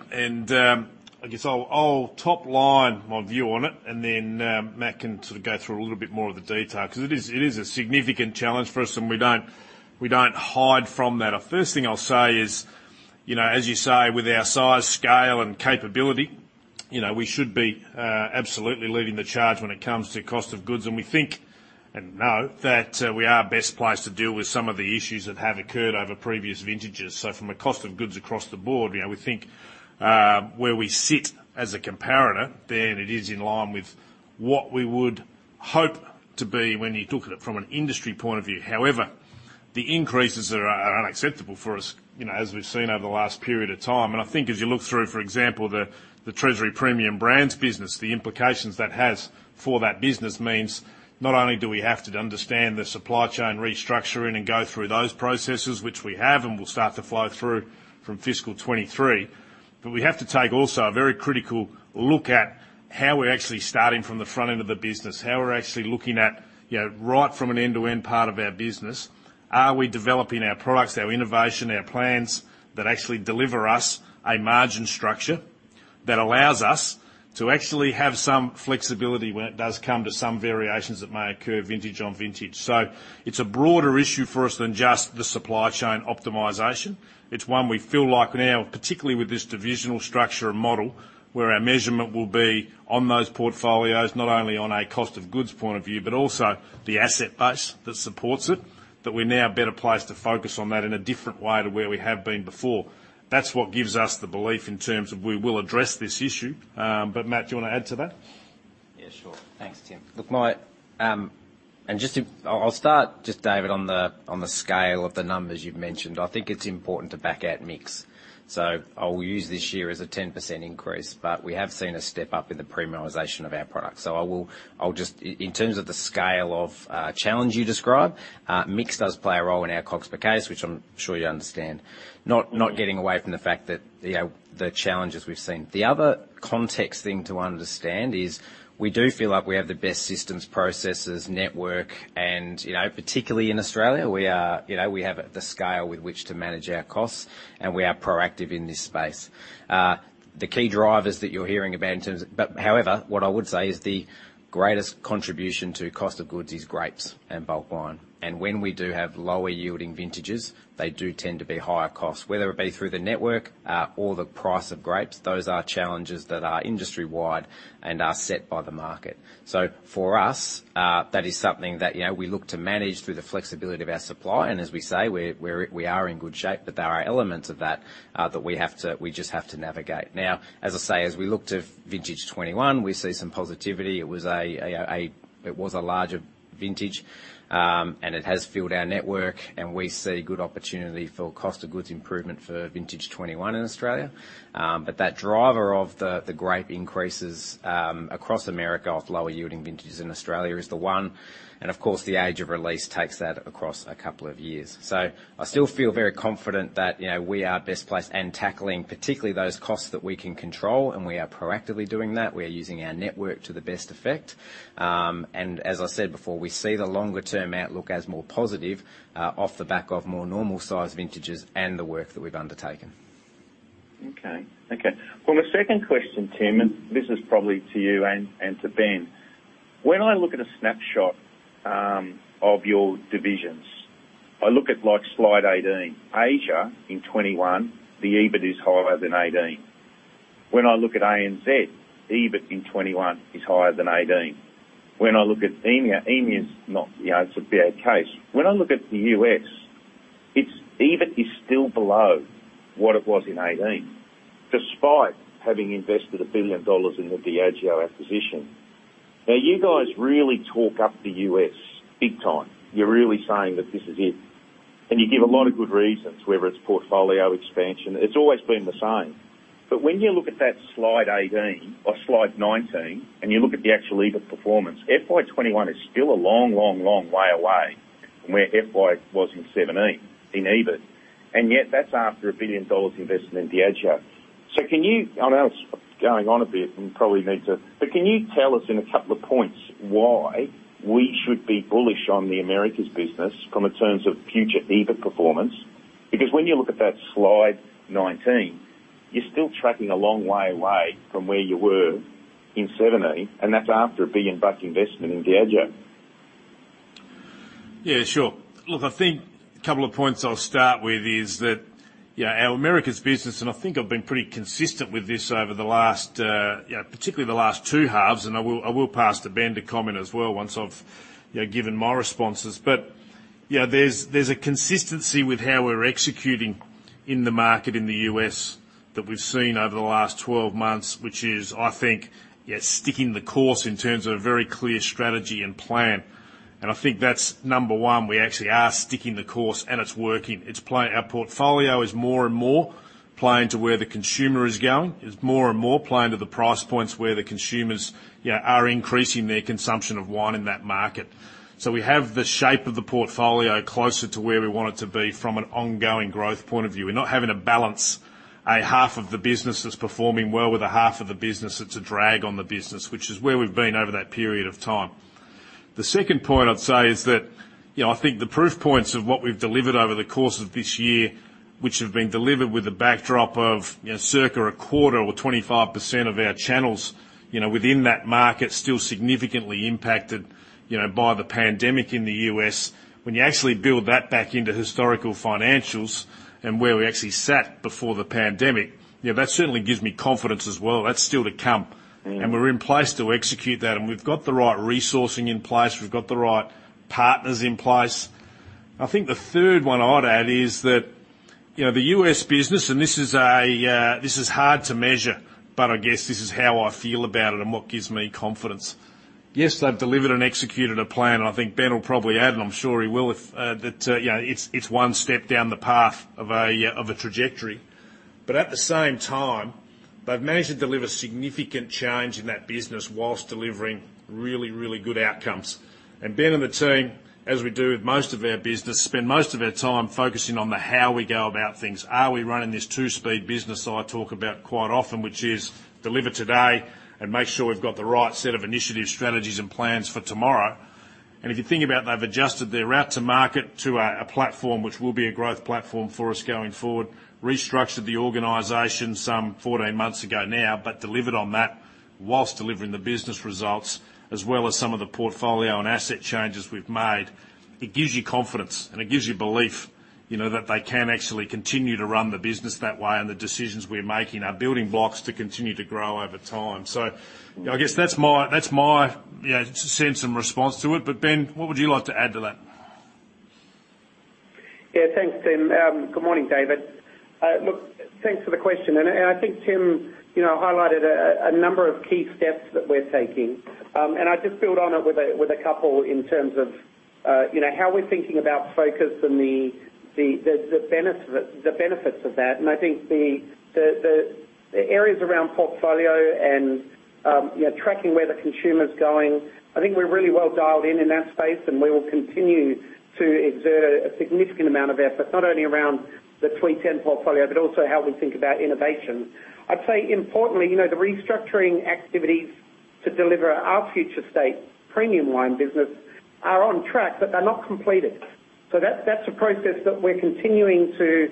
I guess I'll top line my view on it, and then Matt can sort of go through a little bit more of the detail, because it is a significant challenge for us, and we don't hide from that. First thing I'll say is, as you say, with our size, scale, and capability, we should be absolutely leading the charge when it comes to cost of goods. We think and know that we are best placed to deal with some of the issues that have occurred over previous vintages. From a cost of goods across the board, we think where we sit as a comparator, then it is in line with what we would hope to be when you look at it from an industry point of view. However, the increases are unacceptable for us, as we've seen over the last period of time. I think as you look through, for example, the Treasury Premium Brands business, the implications that has for that business means not only do we have to understand the supply chain restructuring and go through those processes, which we have, and will start to flow through from fiscal 2023. We have to take also a very critical look at how we're actually starting from the front end of the business, how we're actually looking at right from an end-to-end part of our business, are we developing our products, our innovation, our plans that actually deliver us a margin structure that allows us to actually have some flexibility when it does come to some variations that may occur vintage on vintage. It's a broader issue for us than just the supply chain optimization. It's one we feel like now, particularly with this divisional structure and model, where our measurement will be on those portfolios, not only on a cost of goods point of view, but also the asset base that supports it, that we're now better placed to focus on that in a different way to where we have been before. That's what gives us the belief in terms of we will address this issue. Matt, do you want to add to that? Yeah, sure. Thanks, Tim. I will start just, David, on the scale of the numbers you've mentioned. I think it's important to back out mix. I will use this year as a 10% increase, but we have seen a step-up in the premiumization of our product. In terms of the scale of challenge you describe, mix does play a role in our COGS per case, which I am sure you understand. Not getting away from the fact that the challenges we've seen, the other context thing to understand is we do feel like we have the best systems, processes, network, and particularly in Australia, we have the scale with which to manage our costs, and we are proactive in this space. The key drivers that you are hearing about. However, what I would say is the greatest contribution to cost of goods is grapes and bulk wine. When we do have lower yielding vintages, they do tend to be higher cost. Whether it be through the network or the price of grapes, those are challenges that are industry-wide and are set by the market. For us, that is something that we look to manage through the flexibility of our supply. As we say, we are in good shape, but there are elements of that that we just have to navigate. As I say, as we look to vintage 2021, we see some positivity. It was a larger vintage, and it has filled our network, and we see good opportunity for cost of goods improvement for vintage 2021 in Australia. But that driver of the grape increases across America with lower yielding vintages in Australia is the one. Of course, the age of release takes that across a couple of years. I still feel very confident that we are best placed and tackling particularly those costs that we can control, and we are proactively doing that. We are using our network to the best effect. As I said before, we see the longer-term outlook as more positive off the back of more normal size vintages and the work that we've undertaken. Okay. Well, my second question, Tim, and this is probably to you and to Ben. When I look at a snapshot of your divisions, I look at slide 18. Asia in 2021, the EBIT is higher than 2018. When I look at ANZ, EBIT in 2021 is higher than 2018. When I look at EMEA is not, it's a bad case. When I look at the U.S., its EBIT is still below what it was in 2018, despite having invested 1 billion dollars in the Diageo acquisition. You guys really talk up the U.S. big time. You're really saying that this is it, and you give a lot of good reasons, whether it's portfolio expansion. It's always been the same. When you look at that slide 18 or slide 19, and you look at the actual EBIT performance, FY 2021 is still a long way away from where FY 2017 was in EBIT. Yet that's after 1 billion dollars invested in Diageo. I know it's going on a bit. Can you tell us in a couple of points why we should be bullish on the Americas Business from the terms of future EBIT performance? When you look at that slide 19, you're still tracking a long way away from where you were in 2017, and that's after an 1 billion bucks investment in Diageo. Yeah, sure. Look, I think a couple of points I'll start with is that our Americas business, and I think I've been pretty consistent with this over, particularly the last two halves. I will pass to Ben to comment as well once I've given my responses. There's a consistency with how we're executing in the market in the U.S. that we've seen over the last 12 months, which is, I think, sticking the course in terms of a very clear strategy and plan. I think that's number 1, we actually are sticking the course and it's working. Our portfolio is more and more playing to where the consumer is going, is more and more playing to the price points where the consumers are increasing their consumption of wine in that market. We have the shape of the portfolio closer to where we want it to be from an ongoing growth point of view. We're not having to balance a half of the business that's performing well with a half of the business that's a drag on the business, which is where we've been over that period of time. The second point I'd say is that, I think the proof points of what we've delivered over the course of this year, which have been delivered with the backdrop of circa a quarter or 25% of our channels within that market, still significantly impacted by the pandemic in the U.S. When you actually build that back into historical financials and where we actually sat before the pandemic, that certainly gives me confidence as well. That's still to come. We're in place to execute that, and we've got the right resourcing in place. We've got the right partners in place. I think the third one I'd add is that the U.S. business, and this is hard to measure, but I guess this is how I feel about it and what gives me confidence. Yes, they've delivered and executed a plan, and I think Ben will probably add, and I'm sure he will, that it's one step down the path of a trajectory. At the same time, they've managed to deliver significant change in that business whilst delivering really good outcomes. Ben and the team, as we do with most of our business, spend most of our time focusing on the how we go about things. Are we running this two speed business I talk about quite often, which is deliver today and make sure we've got the right set of initiative strategies and plans for tomorrow. If you think about it, they've adjusted their route to market to a platform which will be a growth platform for us going forward, restructured the organization some 14 months ago now, but delivered on that whilst delivering the business results, as well as some of the portfolio and asset changes we've made. It gives you confidence, and it gives you belief that they can actually continue to run the business that way, and the decisions we're making are building blocks to continue to grow over time. I guess that's my sense and response to it. Ben, what would you like to add to that? Yeah, thanks, Tim. Good morning, David. Look, thanks for the question. I think Tim highlighted a number of key steps that we're taking. I'd just build on it with a couple in terms of how we're thinking about focus and the benefits of that. I think the areas around portfolio and tracking where the consumer's going, I think we're really well dialed in in that space, and we will continue to exert a significant amount of effort, not only around the TWE Ten portfolio, but also how we think about innovation. I'd say importantly, the restructuring activities to deliver our future state premium wine business are on track, but they're not completed. That's a process that we're continuing to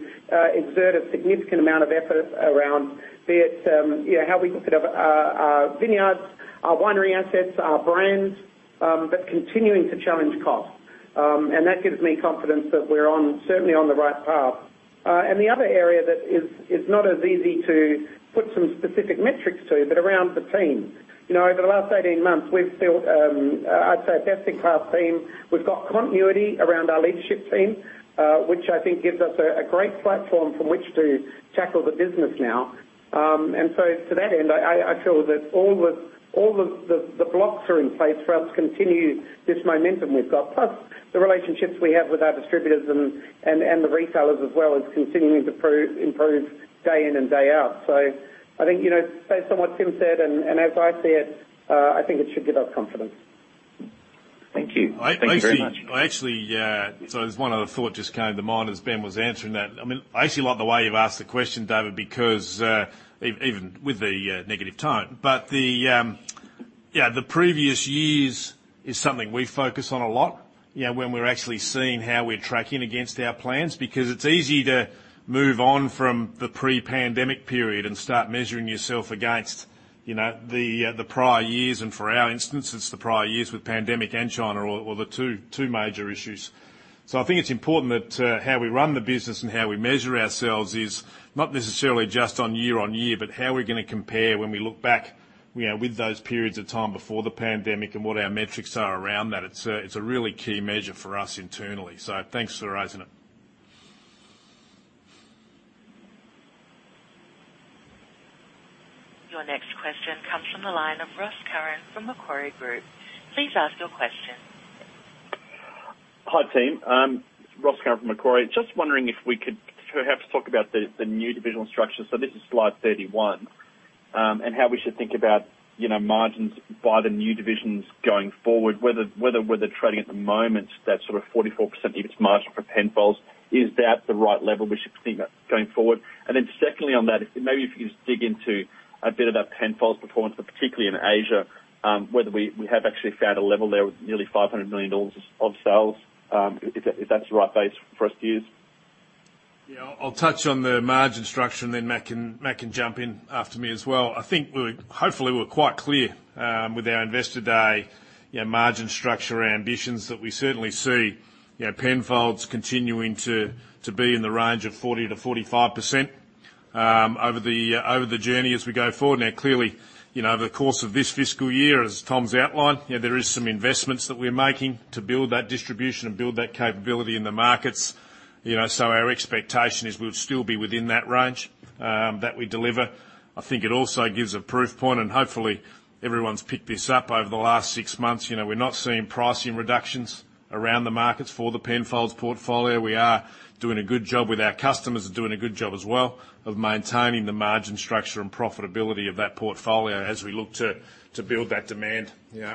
exert a significant amount of effort around, be it how we look at our vineyards, our winery assets, our brands, but continuing to challenge costs. That gives me confidence that we're certainly on the right path. The other area that is not as easy to put some specific metrics to, but around the team. Over the last 18 months, we've built, I'd say, a best-in-class team. We've got continuity around our leadership team, which I think gives us a great platform from which to tackle the business now. To that end, I feel that all the blocks are in place for us to continue this momentum we've got. Plus, the relationships we have with our distributors and the retailers as well is continuing to improve day in and day out. I think, based on what Tim said and as I see it, I think it should give us confidence. Thank you. Thank you very much. I actually, so there's one other thought just came to mind as Ben was answering that. I actually like the way you've asked the question, David, because even with the negative tone. The previous years is something we focus on a lot, when we're actually seeing how we're tracking against our plans. It's easy to move on from the pre-pandemic period and start measuring yourself against the prior years. For our instance, it's the prior years with pandemic and China are the two major issues. I think it's important that how we run the business and how we measure ourselves is not necessarily just on year-on-year, but how we're going to compare when we look back with those periods of time before the pandemic and what our metrics are around that. It's a really key measure for us internally. Thanks for raising it. Your next question comes from the line of Ross Curran from Macquarie Group. Please ask your question. Hi, team. Ross Curran from Macquarie. Just wondering if we could perhaps talk about the new divisional structure, so this is slide 31. How we should think about margins by the new divisions going forward, whether we're trading at the moment at that 44% EBIT margin for Penfolds. Is that the right level we should think about going forward? Then secondly on that, maybe if you could just dig into a bit about Penfolds performance, but particularly in Asia, whether we have actually found a level there with nearly 500 million dollars of sales. If that's the right base for us to use. Yeah, I'll touch on the margin structure, and then Matt can jump in after me as well. I think, hopefully, we're quite clear with our Investor Day margin structure ambitions that we certainly see Penfolds continuing to be in the range of 40%-45% over the journey as we go forward. Now, clearly, over the course of this fiscal year, as Tom's outlined, there is some investments that we're making to build that distribution and build that capability in the markets. Our expectation is we'll still be within that range that we deliver. I think it also gives a proof point, and hopefully everyone's picked this up over the last six months. We're not seeing pricing reductions around the markets for the Penfolds portfolio. We are doing a good job with our customers, are doing a good job as well of maintaining the margin structure and profitability of that portfolio as we look to build that demand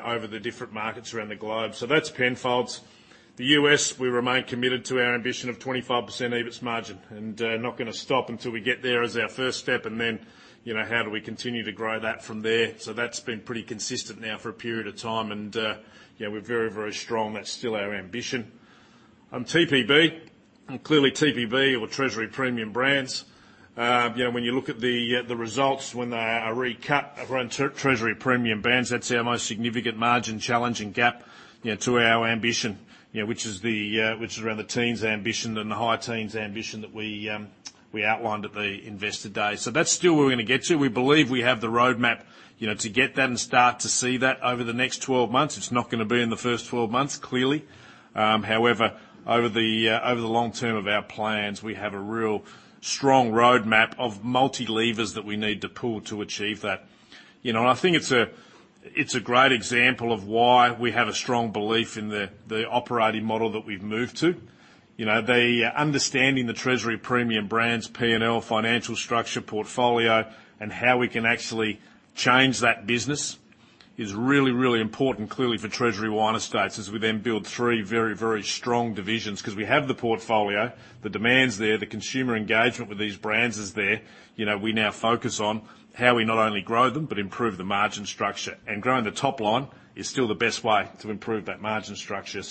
over the different markets around the globe. That's Penfolds. The U.S., we remain committed to our ambition of 25% EBITS margin, and not going to stop until we get there as our first step. How do we continue to grow that from there? That's been pretty consistent now for a period of time, and we're very, very strong. That's still our ambition. On TPB. Clearly TPB or Treasury Premium Brands, when you look at the results, when they are recut around Treasury Premium Brands, that's our most significant margin challenge and gap to our ambition. Which is around the teens ambition and the high teens ambition that we outlined at the Investor Day. That's still where we're going to get to. We believe we have the roadmap to get that and start to see that over the next 12 months. It's not going to be in the first 12 months, clearly. However, over the long term of our plans, we have a real strong roadmap of multi levers that we need to pull to achieve that. I think it's a great example of why we have a strong belief in the operating model that we've moved to. Understanding the Treasury Premium Brands' P&L financial structure portfolio and how we can actually change that business is really, really important, clearly for Treasury Wine Estates as we then build three very, very strong divisions. We have the portfolio, the demand's there, the consumer engagement with these brands is there. We now focus on how we not only grow them but improve the margin structure. Growing the top line is still the best way to improve that margin structure.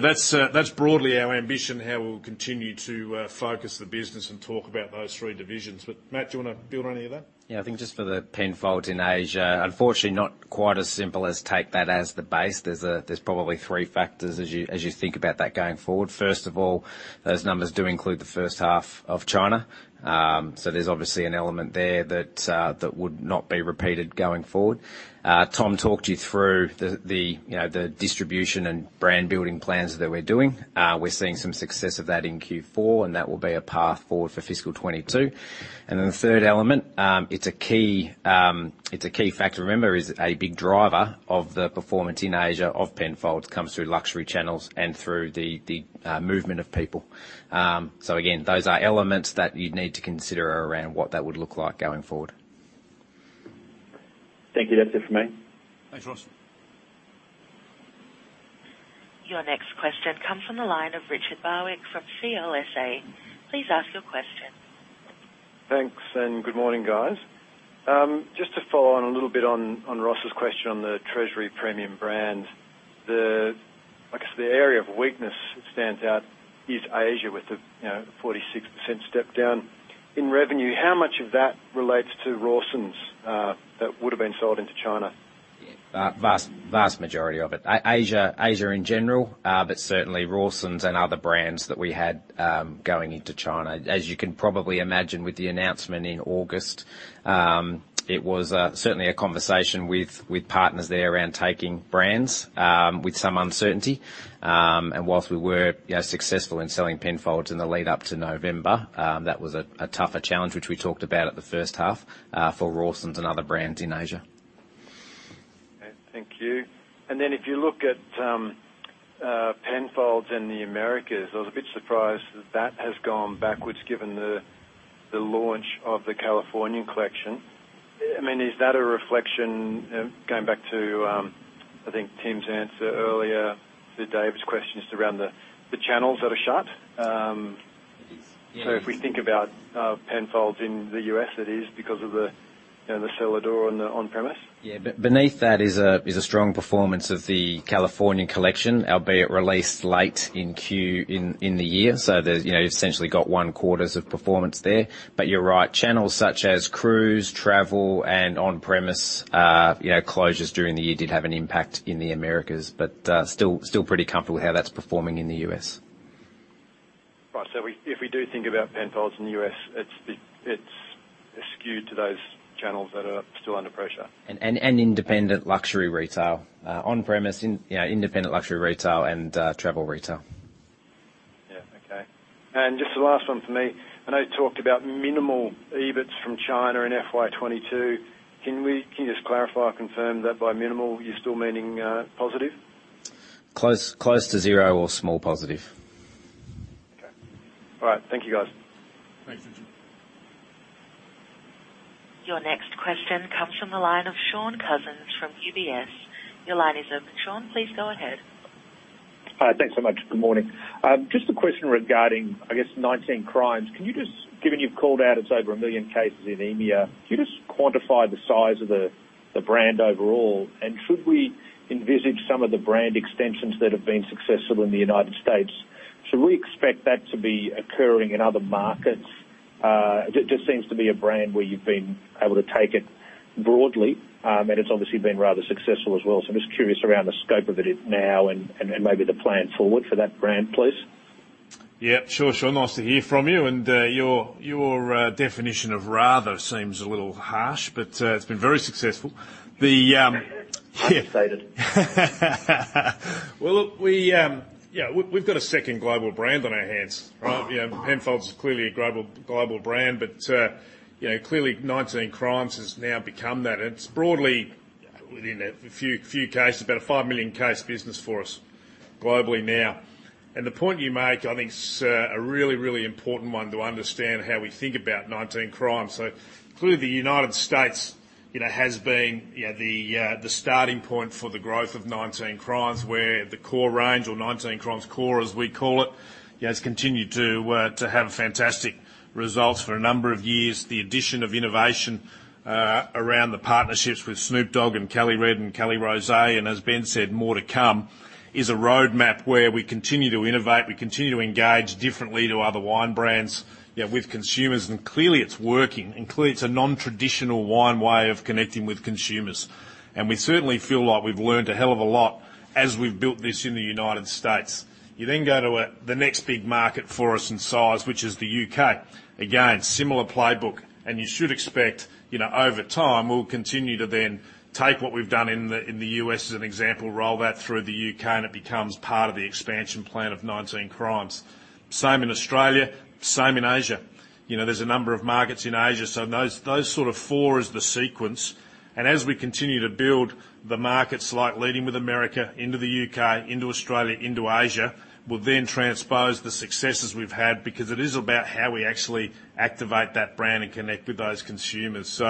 That's broadly our ambition, how we'll continue to focus the business and talk about those three divisions. Matt, do you want to build on any of that? Yeah, I think just for the Penfolds in Asia, unfortunately not quite as simple as take that as the base. There's probably 3 factors as you think about that going forward. First of all, those numbers do include the first half of China. There's obviously an element there that would not be repeated going forward. Tom talked you through the distribution and brand building plans that we're doing. We're seeing some success of that in Q4, and that will be a path forward for FY 2022. The third element, it's a key factor to remember, is a big driver of the performance in Asia of Penfolds comes through luxury channels and through the movement of people. Again, those are elements that you'd need to consider around what that would look like going forward. Thank you. That's it from me. Thanks, Ross. Your next question comes from the line of Richard Barwick from CLSA. Please ask your question. Thanks. Good morning, guys. Just to follow on a little bit on Ross Curran's question on the Treasury Premium Brands. The area of weakness that stands out is Asia with the 46% step down in revenue. How much of that relates to Rawson's that would have been sold into China? Vast majority of it. Asia in general, but certainly Rawson's and other brands that we had going into China. As you can probably imagine with the announcement in August, it was certainly a conversation with partners there around taking brands with some uncertainty. Whilst we were successful in selling Penfolds in the lead up to November, that was a tougher challenge, which we talked about at the first half, for Rawson's and other brands in Asia. Okay, thank you. If you look at Penfolds in the Americas, I was a bit surprised that that has gone backwards given the launch of the California Collection. Is that a reflection, going back to, I think, Tim's answer earlier to Dave's questions around the channels that are shut? If we think about Penfolds in the U.S., it is because of the Cellar Door and the on-premise? Yeah. Beneath that is a strong performance of the California collection, albeit released late in the year. You've essentially got one quarters of performance there. You're right, channels such as cruise, travel, and on-premise closures during the year did have an impact in the Americas. Still pretty comfortable how that's performing in the U.S. Right. If we do think about Penfolds in the U.S., it's skewed to those channels that are still under pressure. Independent luxury retail. On-premise, independent luxury retail, and travel retail. Yeah. Okay. Just the last one for me. I know we talked about minimal EBITS from China in FY 2022. Can you just clarify or confirm that by minimal, you're still meaning positive? Close to zero or small positive. Okay. All right. Thank you, guys. Thanks, Richard. Your next question comes from the line of Shaun Cousins from UBS. Your line is open, Shaun. Please go ahead. Hi. Thanks so much. Good morning. A question regarding, I guess, 19 Crimes. Given you've called out it's over 1 million cases in EMEA, can you quantify the size of the brand overall? Should we envisage some of the brand extensions that have been successful in the U.S., should we expect that to be occurring in other markets? It seems to be a brand where you've been able to take it broadly, and it's obviously been rather successful as well. I'm curious around the scope of it now and maybe the plan forward for that brand, please. Yeah, sure, Shaun. Nice to hear from you. Your definition of rather seems a little harsh, but it's been very successful. Understated. We've got a second global brand on our hands, right? Penfolds is clearly a global brand, clearly 19 Crimes has now become that. It's broadly, within a few cases, about a 5 million case business for us globally now. The point you make, I think, is a really important one to understand how we think about 19 Crimes. Clearly the U.S. has been the starting point for the growth of 19 Crimes, where the core range, or 19 Crimes Core, as we call it, has continued to have fantastic results for a number of years. The addition of innovation around the partnerships with Snoop Dogg and Cali Red and Cali Rosé, and as Ben said, more to come, is a roadmap where we continue to innovate, we continue to engage differently to other wine brands with consumers, clearly it's working. Clearly it's a non-traditional wine way of connecting with consumers. We certainly feel like we've learned a hell of a lot as we've built this in the U.S. You go to the next big market for us in size, which is the U.K. Again, similar playbook, you should expect, over time, we'll continue to then take what we've done in the U.S. as an example, roll that through the U.K., it becomes part of the expansion plan of 19 Crimes. Same in Australia, same in Asia. There's a number of markets in Asia. Those sort of four is the sequence. As we continue to build the markets, like leading with America into the U.K., into Australia, into Asia, we'll then transpose the successes we've had, because it is about how we actually activate that brand and connect with those consumers.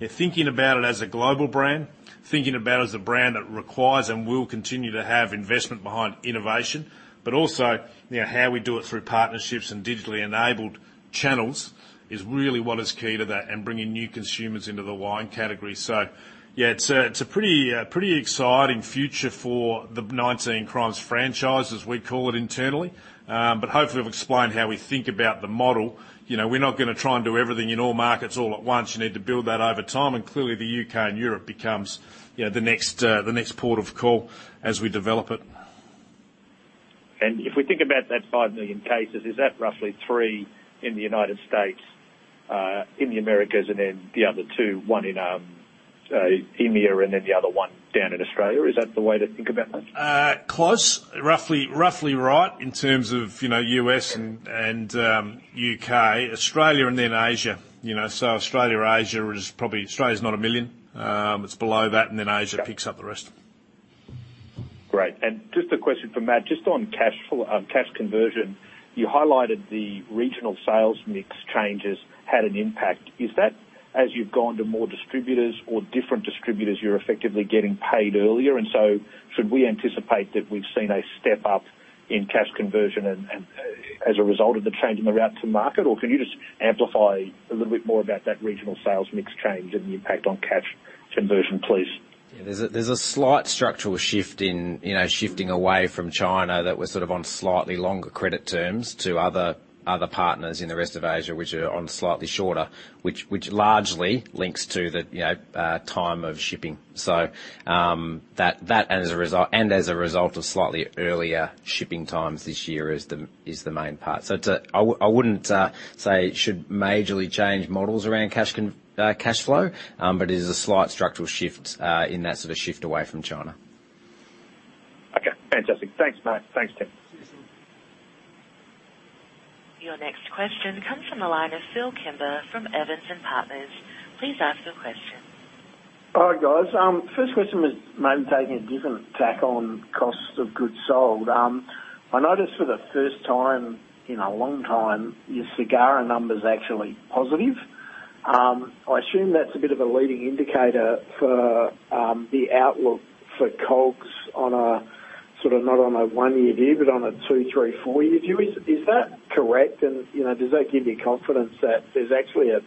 Thinking about it as a global brand, thinking about it as a brand that requires and will continue to have investment behind innovation, but also how we do it through partnerships and digitally enabled channels is really what is key to that and bringing new consumers into the wine category. Yeah, it's a pretty exciting future for the 19 Crimes franchise, as we call it internally. Hopefully, we've explained how we think about the model. We're not going to try and do everything in all markets all at once. You need to build that over time, and clearly the U.K. and Europe becomes the next port of call as we develop it. If we think about that 5 million cases, is that roughly three in the U.S., in the Americas, then the other two, one in EMEA, then the other one down in Australia? Is that the way to think about that? Close. Roughly right in terms of U.S. and U.K. Australia and then Asia. Australia is not 1 million. It is below that, and then Asia picks up the rest. Great. Just a question for Matt, just on cash conversion. You highlighted the regional sales mix changes had an impact. Is that as you've gone to more distributors or different distributors, you're effectively getting paid earlier, and so should we anticipate that we've seen a step up in cash conversion as a result of the change in the route to market? Can you just amplify a little bit more about that regional sales mix change and the impact on cash conversion, please? There's a slight structural shift in shifting away from China that was sort of on slightly longer credit terms to other partners in the rest of Asia, which are on slightly shorter, which largely links to the time of shipping. As a result of slightly earlier shipping times this year is the main part. I wouldn't say it should majorly change models around cash flow, but it is a slight structural shift in that sort of shift away from China. Okay. Fantastic. Thanks, Matt. Thanks, Tim. See you soon. Your next question comes from the line of Phillip Kimber from Evans and Partners. Please ask your question. All right, guys. First question was maybe taking a different tack on cost of goods sold. I noticed for the first time in a long time, your SGARA number's actually positive. I assume that's a bit of a leading indicator for the outlook for COGS on a sort of not on a one-year view, but on a two, three, four year view. Is that correct? Does that give you confidence that there's actually a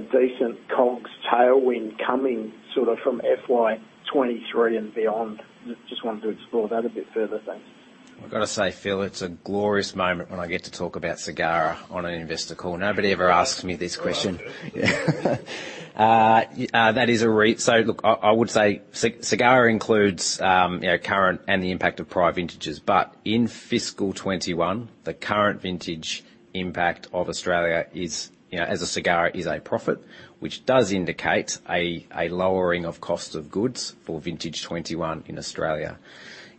decent COGS tailwind coming sort of from FY 2023 and beyond? Just wanted to explore that a bit further. Thanks. I've got to say, Phil, it's a glorious moment when I get to talk about SGARA on an investor call. Nobody ever asks me this question. I love it. That is a REIT. Look, I would say SGARA includes current and the impact of prior vintages. In fiscal 2021, the current vintage impact of Australia as a SGARA is a profit, which does indicate a lowering of cost of goods for vintage 2021 in Australia.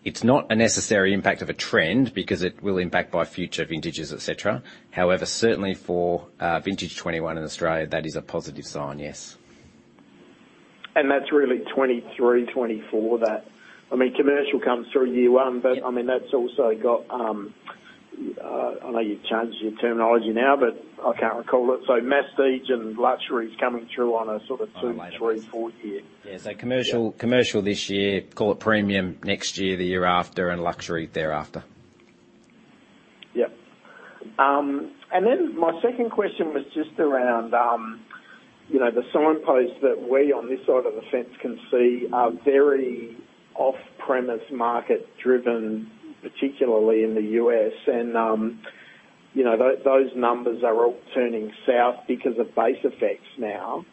It's not a necessary impact of a trend because it will impact by future vintages, et cetera. Certainly for vintage 2021 in Australia, that is a positive sign, yes. That's really 2023, 2024 that. I mean, commercial comes through year one. Yeah That's also got, I know you've changed your terminology now, but I can't recall it. Masstige and luxury is coming through on a sort of two On a later stage. three, four year. Yeah, commercial this year, call it premium next year, the year after, and luxury thereafter. Yep. My second question was just around the signpost that we, on this side of the fence can see are very off-premise market driven, particularly in the U.S. and those numbers are all turning south because of base effects now.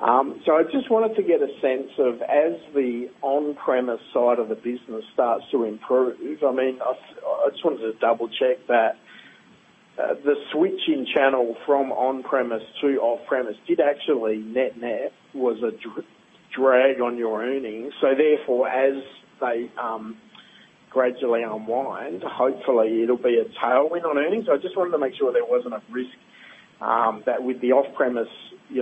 I just wanted to get a sense of as the on-premise side of the business starts to improve, I just wanted to double check that the switching channel from on-premise to off-premise did actually net-net was a drag on your earnings. Therefore, as they gradually unwind, hopefully it'll be a tailwind on earnings. I just wanted to make sure there wasn't a risk that with the off-premise,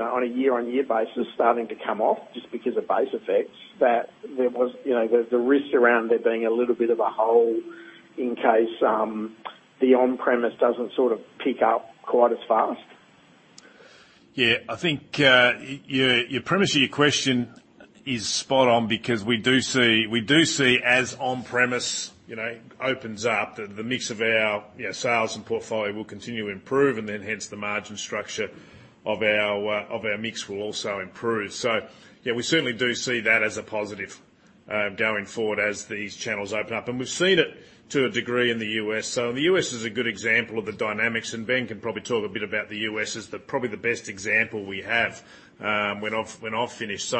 on a year-on-year basis starting to come off just because of base effects, that there was the risk around there being a little bit of a hole in case the on-premise doesn't sort of pick up quite as fast. Yeah, I think your premise of your question is spot on because we do see as on-premise opens up, the mix of our sales and portfolio will continue to improve and then hence the margin structure of our mix will also improve. Yeah, we certainly do see that as a positive going forward as these channels open up. We've seen it to a degree in the U.S. The U.S. is a good example of the dynamics, and Ben can probably talk a bit about the U.S. as the probably the best example we have when I've finished.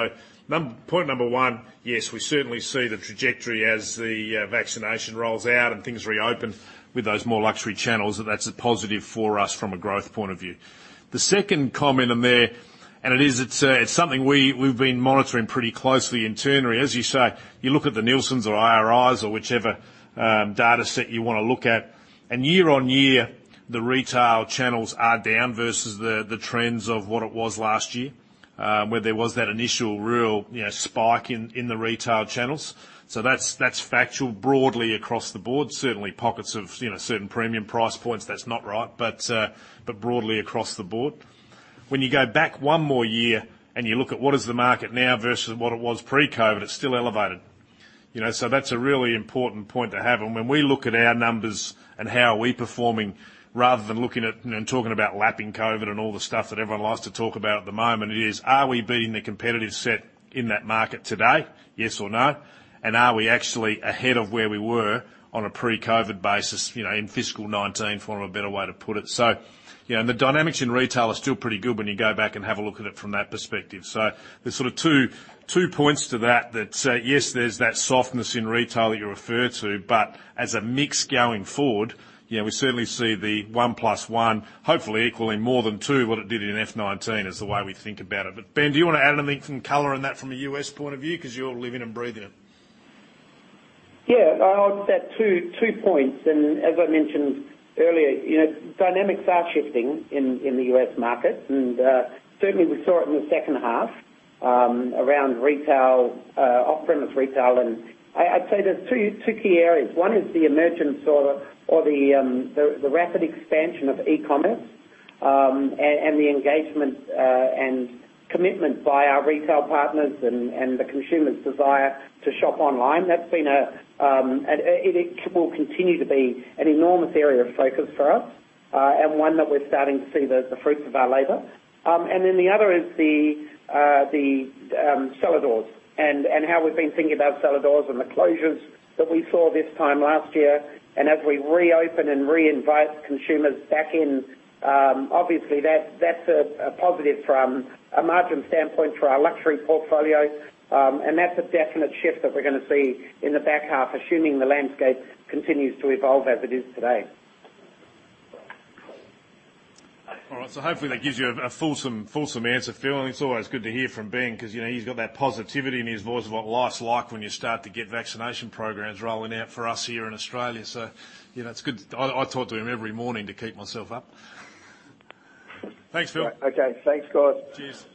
Point number one, yes, we certainly see the trajectory as the vaccination rolls out and things reopen with those more luxury channels, that's a positive for us from a growth point of view. The second comment in there, it's something we've been monitoring pretty closely internally. As you say, you look at the Nielsen or IRI or whichever data set you want to look at, and year-on-year, the retail channels are down versus the trends of what it was last year. Where there was that initial real spike in the retail channels. That's factual broadly across the board. Certainly pockets of certain premium price points, that's not right, but broadly across the board. When you go back one more year and you look at what is the market now versus what it was pre-COVID, it's still elevated. That's a really important point to have. When we look at our numbers and how are we performing, rather than looking at and talking about lapping COVID and all the stuff that everyone likes to talk about at the moment, it is, are we beating the competitive set in that market today? Yes or no. Are we actually ahead of where we were on a pre-COVID basis, in fiscal 2019, for want of a better way to put it. The dynamics in retail are still pretty good when you go back and have a look at it from that perspective. There's sort of two points to that. Yes, there's that softness in retail that you refer to, but as a mix going forward, we certainly see the one plus one hopefully equaling more than two, what it did in FY 2019 is the way we think about it. Ben, do you want to add anything, some color on that from a U.S. point of view because you're living and breathing it? Yeah. I'll just add two points. As I mentioned earlier, dynamics are shifting in the U.S. market, and certainly we saw it in the second half around off-premise retail. I'd say there's two key areas. One is the emergence or the rapid expansion of e-commerce, and the engagement and commitment by our retail partners and the consumer's desire to shop online. It will continue to be an enormous area of focus for us, and one that we're starting to see the fruits of our labor. Then the other is the cellar doors and how we've been thinking about cellar doors and the closures that we saw this time last year. As we reopen and re-invite consumers back in, obviously that's a positive from a margin standpoint for our luxury portfolio. That's a definite shift that we're going to see in the back half, assuming the landscape continues to evolve as it is today. All right. Hopefully that gives you a fulsome answer, Phil, and it's always good to hear from Ben because he's got that positivity in his voice of what life's like when you start to get vaccination programs rolling out for us here in Australia. It's good. I talk to him every morning to keep myself up. Thanks, Phil. Okay. Thanks, guys. Cheers.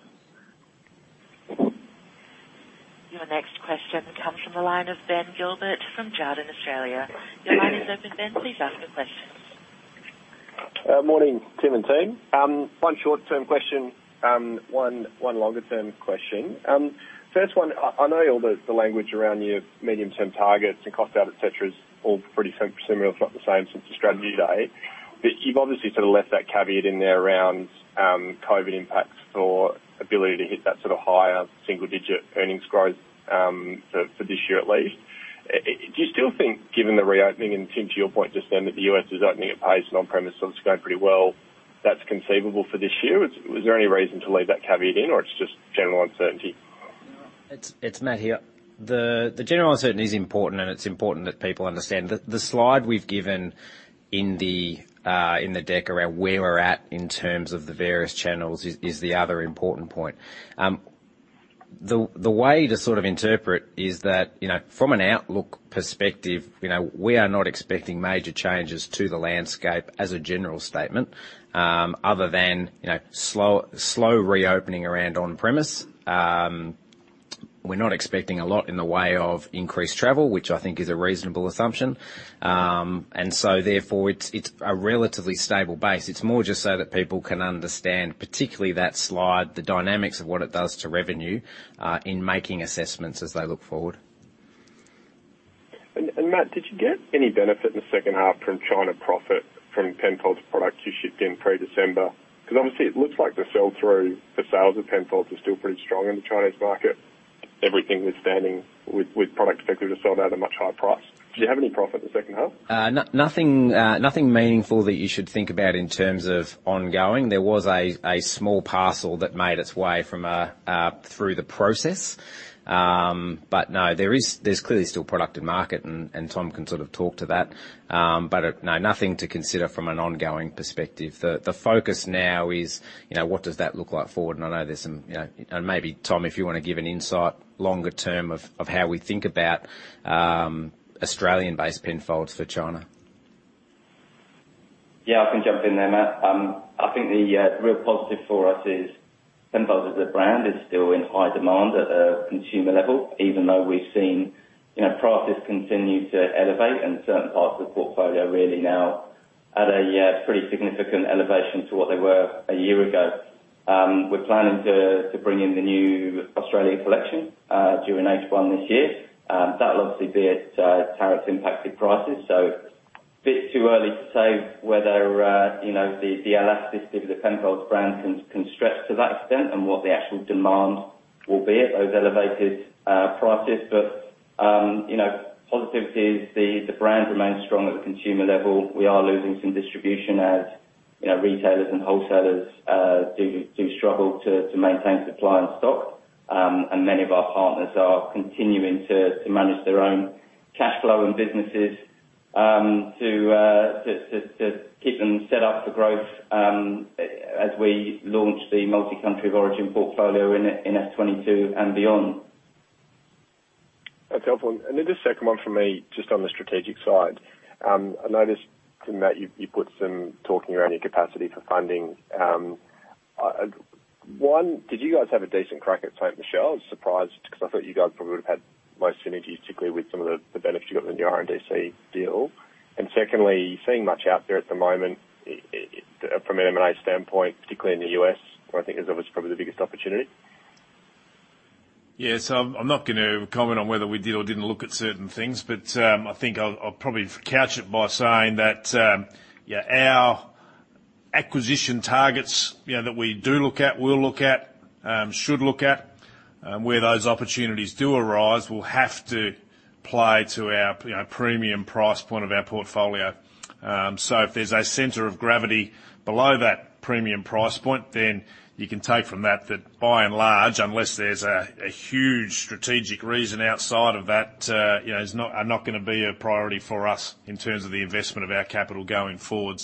Your next question comes from the line of Ben Gilbert from Jarden Australia. Your line is open, Ben. Please ask your question. Morning, Tim and team. One short-term question, one longer-term question. First one, I know all the language around your medium-term targets and cost out, et cetera, is all pretty similar, if not the same since the strategy day. You've obviously sort of left that caveat in there around COVID impacts for ability to hit that sort of higher single-digit earnings growth for this year at least. Do you still think, given the reopening, and Tim, to your point just then, that the U.S. is opening at pace and on-premise sort of going pretty well, that's conceivable for this year? Is there any reason to leave that caveat in, or it's just general uncertainty? It's Matt here. The general uncertainty is important, and it's important that people understand. The slide we've given in the deck around where we're at in terms of the various channels is the other important point. The way to sort of interpret is that, from an outlook perspective, we are not expecting major changes to the landscape as a general statement other than slow reopening around on-premise. We're not expecting a lot in the way of increased travel, which I think is a reasonable assumption. Therefore, it's a relatively stable base. It's more just so that people can understand, particularly that slide, the dynamics of what it does to revenue, in making assessments as they look forward. Matt, did you get any benefit in the second half from China profit from Penfolds products you shipped in pre-December, because obviously it looks like the sell-through for sales of Penfolds are still pretty strong in the Chinese market, everything withstanding, with product expected to sold at a much higher price? Did you have any profit in the second half? Nothing meaningful that you should think about in terms of ongoing. There was a small parcel that made its way through the process. No, there's clearly still product in market, and Tom can sort of talk to that. No, nothing to consider from an ongoing perspective. The focus now is, what does that look like forward? I know there's some. Maybe Tom, if you want to give an insight longer term of how we think about Australian-based Penfolds for China. I can jump in there, Matt. I think the real positive for us is Penfolds as a brand is still in high demand at a consumer level, even though we've seen prices continue to elevate and certain parts of the portfolio really now at a pretty significant elevation to what they were a year ago. We're planning to bring in the new Australian collection during H1 this year. That'll obviously be at tariff-impacted prices. A bit too early to say whether the elasticity of the Penfolds brand can stretch to that extent and what the actual demand will be at those elevated prices. Positivity is the brand remains strong at the consumer level. We are losing some distribution as retailers and wholesalers do struggle to maintain supply and stock. Many of our partners are continuing to manage their own cash flow and businesses to keep them set up for growth as we launch the multi-country of origin portfolio in FY 2022 and beyond. That's helpful. Then just second one from me, just on the strategic side. I noticed, Matt, you put some talking around your capacity for funding. One, did you guys have a decent crack at Ste. Michelle? I was surprised because I thought you guys probably would've had most synergies, particularly with some of the benefits you got with the RNDC deal. Secondly, are you seeing much out there at the moment from an M&A standpoint, particularly in the U.S., where I think is always probably the biggest opportunity? Yes. I'm not going to comment on whether we did or didn't look at certain things, but I think I'll probably couch it by saying that, our acquisition targets that we do look at, will look at, should look at, where those opportunities do arise, will have to apply to our premium price point of our portfolio. If there's a center of gravity below that premium price point, then you can take from that by and large, unless there's a huge strategic reason outside of that, are not gonna be a priority for us in terms of the investment of our capital going forward.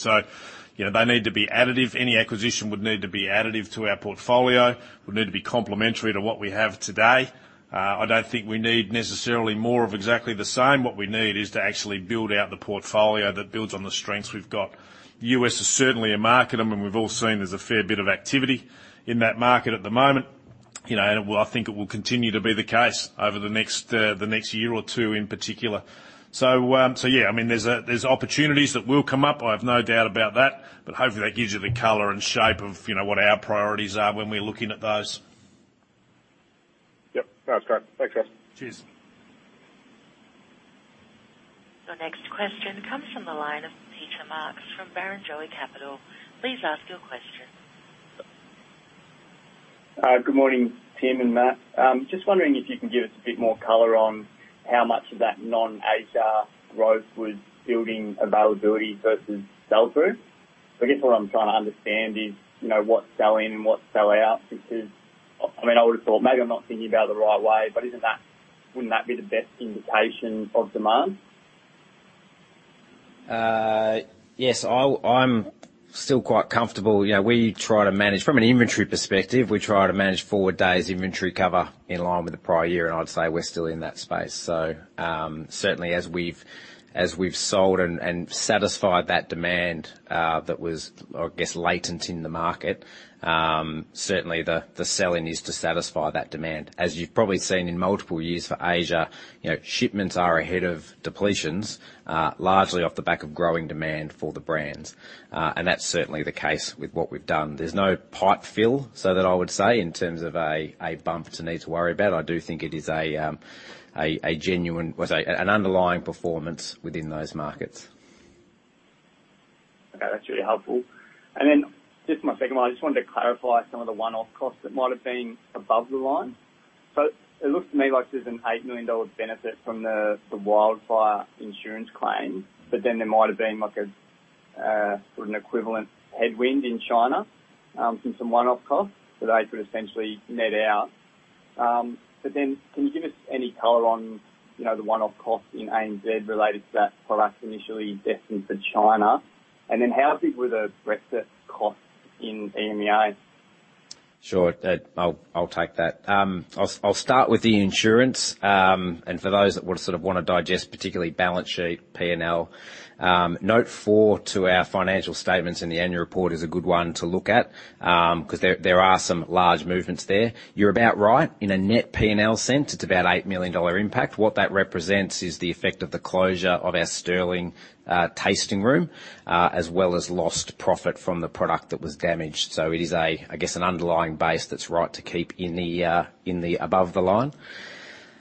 They need to be additive. Any acquisition would need to be additive to our portfolio, would need to be complementary to what we have today. I don't think we need necessarily more of exactly the same. What we need is to actually build out the portfolio that builds on the strengths we've got. The U.S. is certainly a market, and we've all seen there's a fair bit of activity in that market at the moment. I think it will continue to be the case over the next year or two in particular. Yeah, there's opportunities that will come up, I have no doubt about that, but hopefully that gives you the color and shape of what our priorities are when we're looking at those. Yep. No, that's great. Thanks, guys. Cheers. Your next question comes from the line of Peter Marks from Barrenjoey Capital. Please ask your question. Good morning, Tim and Matt. Just wondering if you can give us a bit more color on how much of that non-Asia growth was building availability versus sell-through? I guess what I'm trying to understand is what's selling and what's sell out, because I would've thought, maybe I'm not thinking about it the right way, but wouldn't that be the best indication of demand? Yes, I'm still quite comfortable. From an inventory perspective, we try to manage four days' inventory cover in line with the prior year, and I'd say we're still in that space. Certainly, as we've sold and satisfied that demand that was, I guess, latent in the market, certainly the selling is to satisfy that demand. As you've probably seen in multiple years for Asia, shipments are ahead of depletions, largely off the back of growing demand for the brands. That's certainly the case with what we've done. There's no pipe fill so that I would say in terms of a bump to need to worry about. I do think it is a genuine, an underlying performance within those markets. Okay, that's really helpful. Just my second one, I just wanted to clarify some of the one-off costs that might have been above the line. It looks to me like there's an 8 million dollar benefit from the wildfire insurance claim, but then there might have been an equivalent headwind in China from some one-off costs. They could essentially net out. Can you give us any color on the one-off cost in ANZ related to that product initially destined for China? How big were the Brexit costs in EMEA? Sure. I'll take that. I'll start with the insurance. For those that would sort of want to digest, particularly balance sheet, P&L, note four to our financial statements in the annual report is a good one to look at, because there are some large movements there. You're about right. In a net P&L sense, it's about 8 million dollar impact. What that represents is the effect of the closure of our Sterling tasting room, as well as lost profit from the product that was damaged. It is, I guess, an underlying base that's right to keep in the above the line.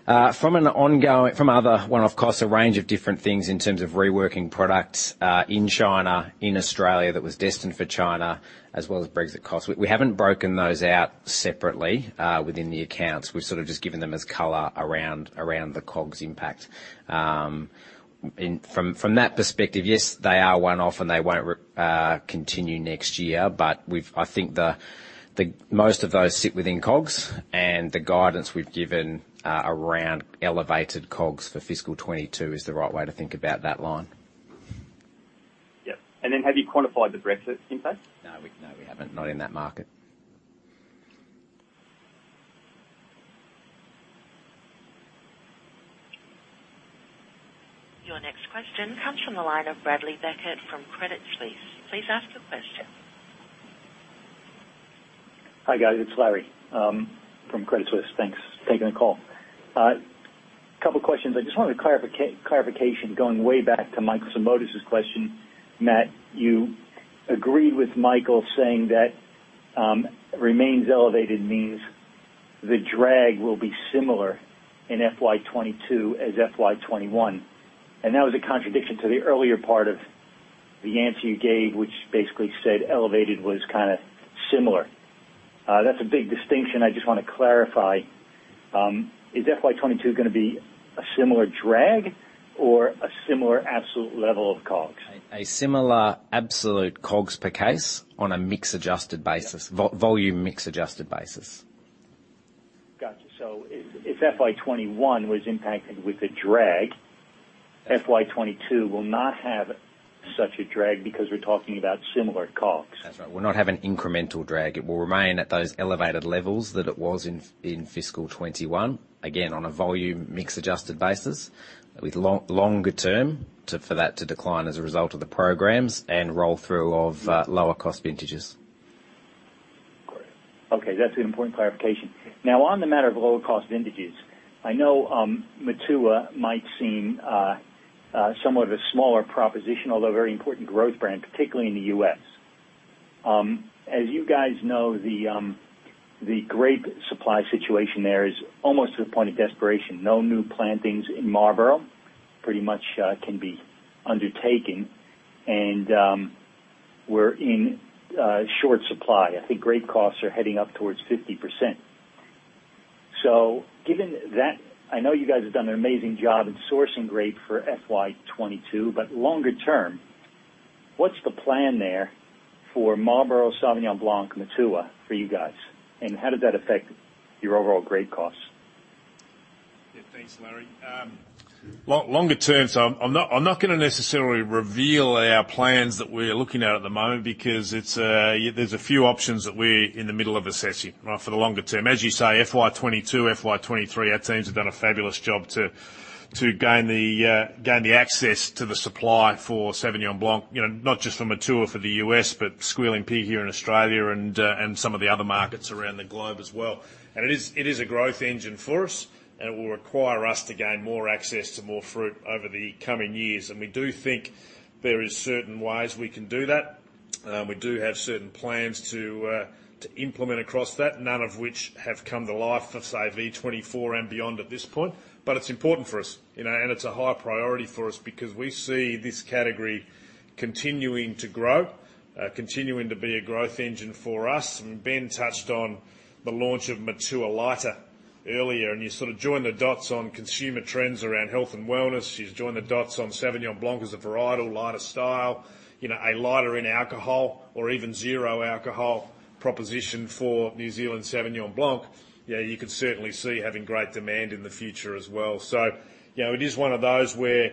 From other one-off costs, a range of different things in terms of reworking products in China, in Australia that was destined for China, as well as Brexit costs. We haven't broken those out separately within the accounts. We've sort of just given them as color around the COGS impact. From that perspective, yes, they are one-off, and they won't continue next year. I think most of those sit within COGS, and the guidance we've given around elevated COGS for fiscal 2022 is the right way to think about that line. Yep. Have you quantified the Brexit impact? No, we haven't. Not in that market. Your next question comes from the line of Bradley Beckert from Credit Suisse. Please ask your question. Hi, guys. It's Larry from Credit Suisse. Thanks for taking the call. Couple questions. I just wanted clarification going way back to Michael Simotas' question. Matt, you agreed with Michael saying that remains elevated means the drag will be similar in FY 2022 as FY 2021. That was a contradiction to the earlier part of the answer you gave, which basically said elevated was kind of similar. That's a big distinction. I just want to clarify. Is FY 2022 going to be a similar drag or a similar absolute level of COGS? A similar absolute COGS per case on a mix-adjusted basis, volume mix-adjusted basis. Got you. If FY 2021 was impacted with a drag, FY 2022 will not have such a drag because we're talking about similar COGS. That's right. We'll not have an incremental drag. It will remain at those elevated levels that it was in fiscal 2021, again, on a volume mix-adjusted basis, with longer term for that to decline as a result of the programs and roll-through of lower cost vintages. Great. Okay, that's an important clarification. On the matter of lower cost vintages, I know Matua might seem somewhat of a smaller proposition, although a very important growth brand, particularly in the U.S. As you guys know, the grape supply situation there is almost to the point of desperation. No new plantings in Marlborough pretty much can be undertaken, and we're in short supply. I think grape costs are heading up towards 50%. Given that, I know you guys have done an amazing job in sourcing grape for FY 2022, but longer term, what's the plan there for Marlborough Sauvignon Blanc, Matua, for you guys? How did that affect your overall grape costs? Thanks, Larry. Longer term, I'm not going to necessarily reveal our plans that we're looking at at the moment because there's a few options that we're in the middle of assessing for the longer term. As you say, FY 2022, FY 2023, our teams have done a fabulous job to gain the access to the supply for Sauvignon Blanc, not just for Matua for the U.S., but Squealing Pig here in Australia and some of the other markets around the globe as well. It is a growth engine for us, and it will require us to gain more access to more fruit over the coming years. We do think there is certain ways we can do that. We do have certain plans to implement across that, none of which have come to life for, say, FY 2024 and beyond at this point. It's important for us, and it's a high priority for us because we see this category continuing to grow, continuing to be a growth engine for us. Ben touched on the launch of Matua Lighter earlier, and you sort of joined the dots on consumer trends around health and wellness. You joined the dots on Sauvignon Blanc as a varietal, lighter style, a lighter in alcohol or even zero alcohol proposition for New Zealand Sauvignon Blanc. Yeah, you could certainly see having great demand in the future as well. It is one of those where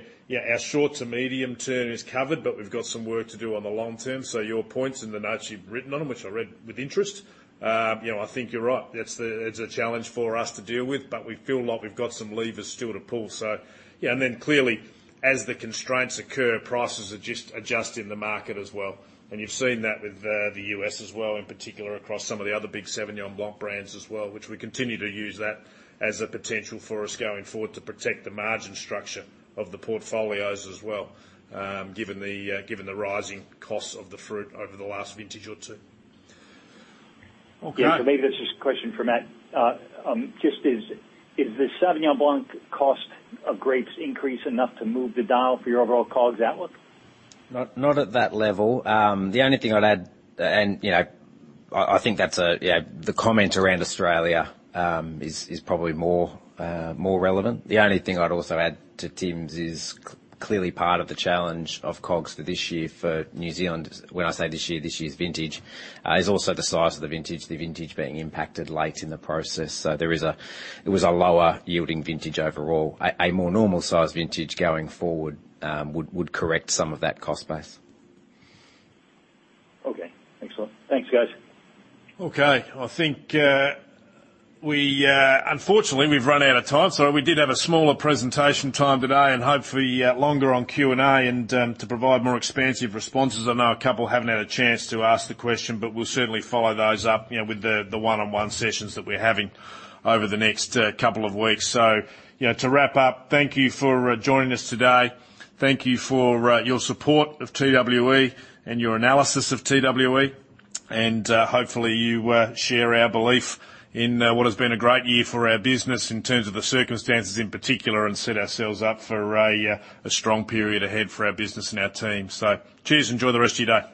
our short to medium term is covered, but we've got some work to do on the long term. Your points in the notes you've written on them, which I read with interest, I think you're right. It's a challenge for us to deal with, but we feel like we've got some levers still to pull. Yeah, clearly as the constraints occur, prices adjust in the market as well. You've seen that with the U.S. as well, in particular across some of the other big Sauvignon Blanc brands as well, which we continue to use that as a potential for us going forward to protect the margin structure of the portfolios as well, given the rising costs of the fruit over the last vintage or two. Okay. Yeah. For me, this is a question for Matt. Just is the Sauvignon Blanc cost of grapes increase enough to move the dial for your overall COGS outlook? Not at that level. The only thing I'd add, I think that the comment around Australia is probably more relevant. The only thing I'd also add to Tim's is clearly part of the challenge of COGS for this year for New Zealand, when I say this year, this year's vintage, is also the size of the vintage. The vintage being impacted late in the process. It was a lower yielding vintage overall. A more normal size vintage going forward would correct some of that cost base. Okay. Excellent. Thanks, guys. Unfortunately, we've run out of time. We did have a smaller presentation time today and hopefully longer on Q&A and to provide more expansive responses. I know a couple haven't had a chance to ask the question, but we'll certainly follow those up with the one-on-one sessions that we're having over the next couple of weeks. To wrap up, thank you for joining us today. Thank you for your support of TWE and your analysis of TWE, and hopefully you share our belief in what has been a great year for our business in terms of the circumstances in particular, and set ourselves up for a strong period ahead for our business and our team. Cheers, enjoy the rest of your day.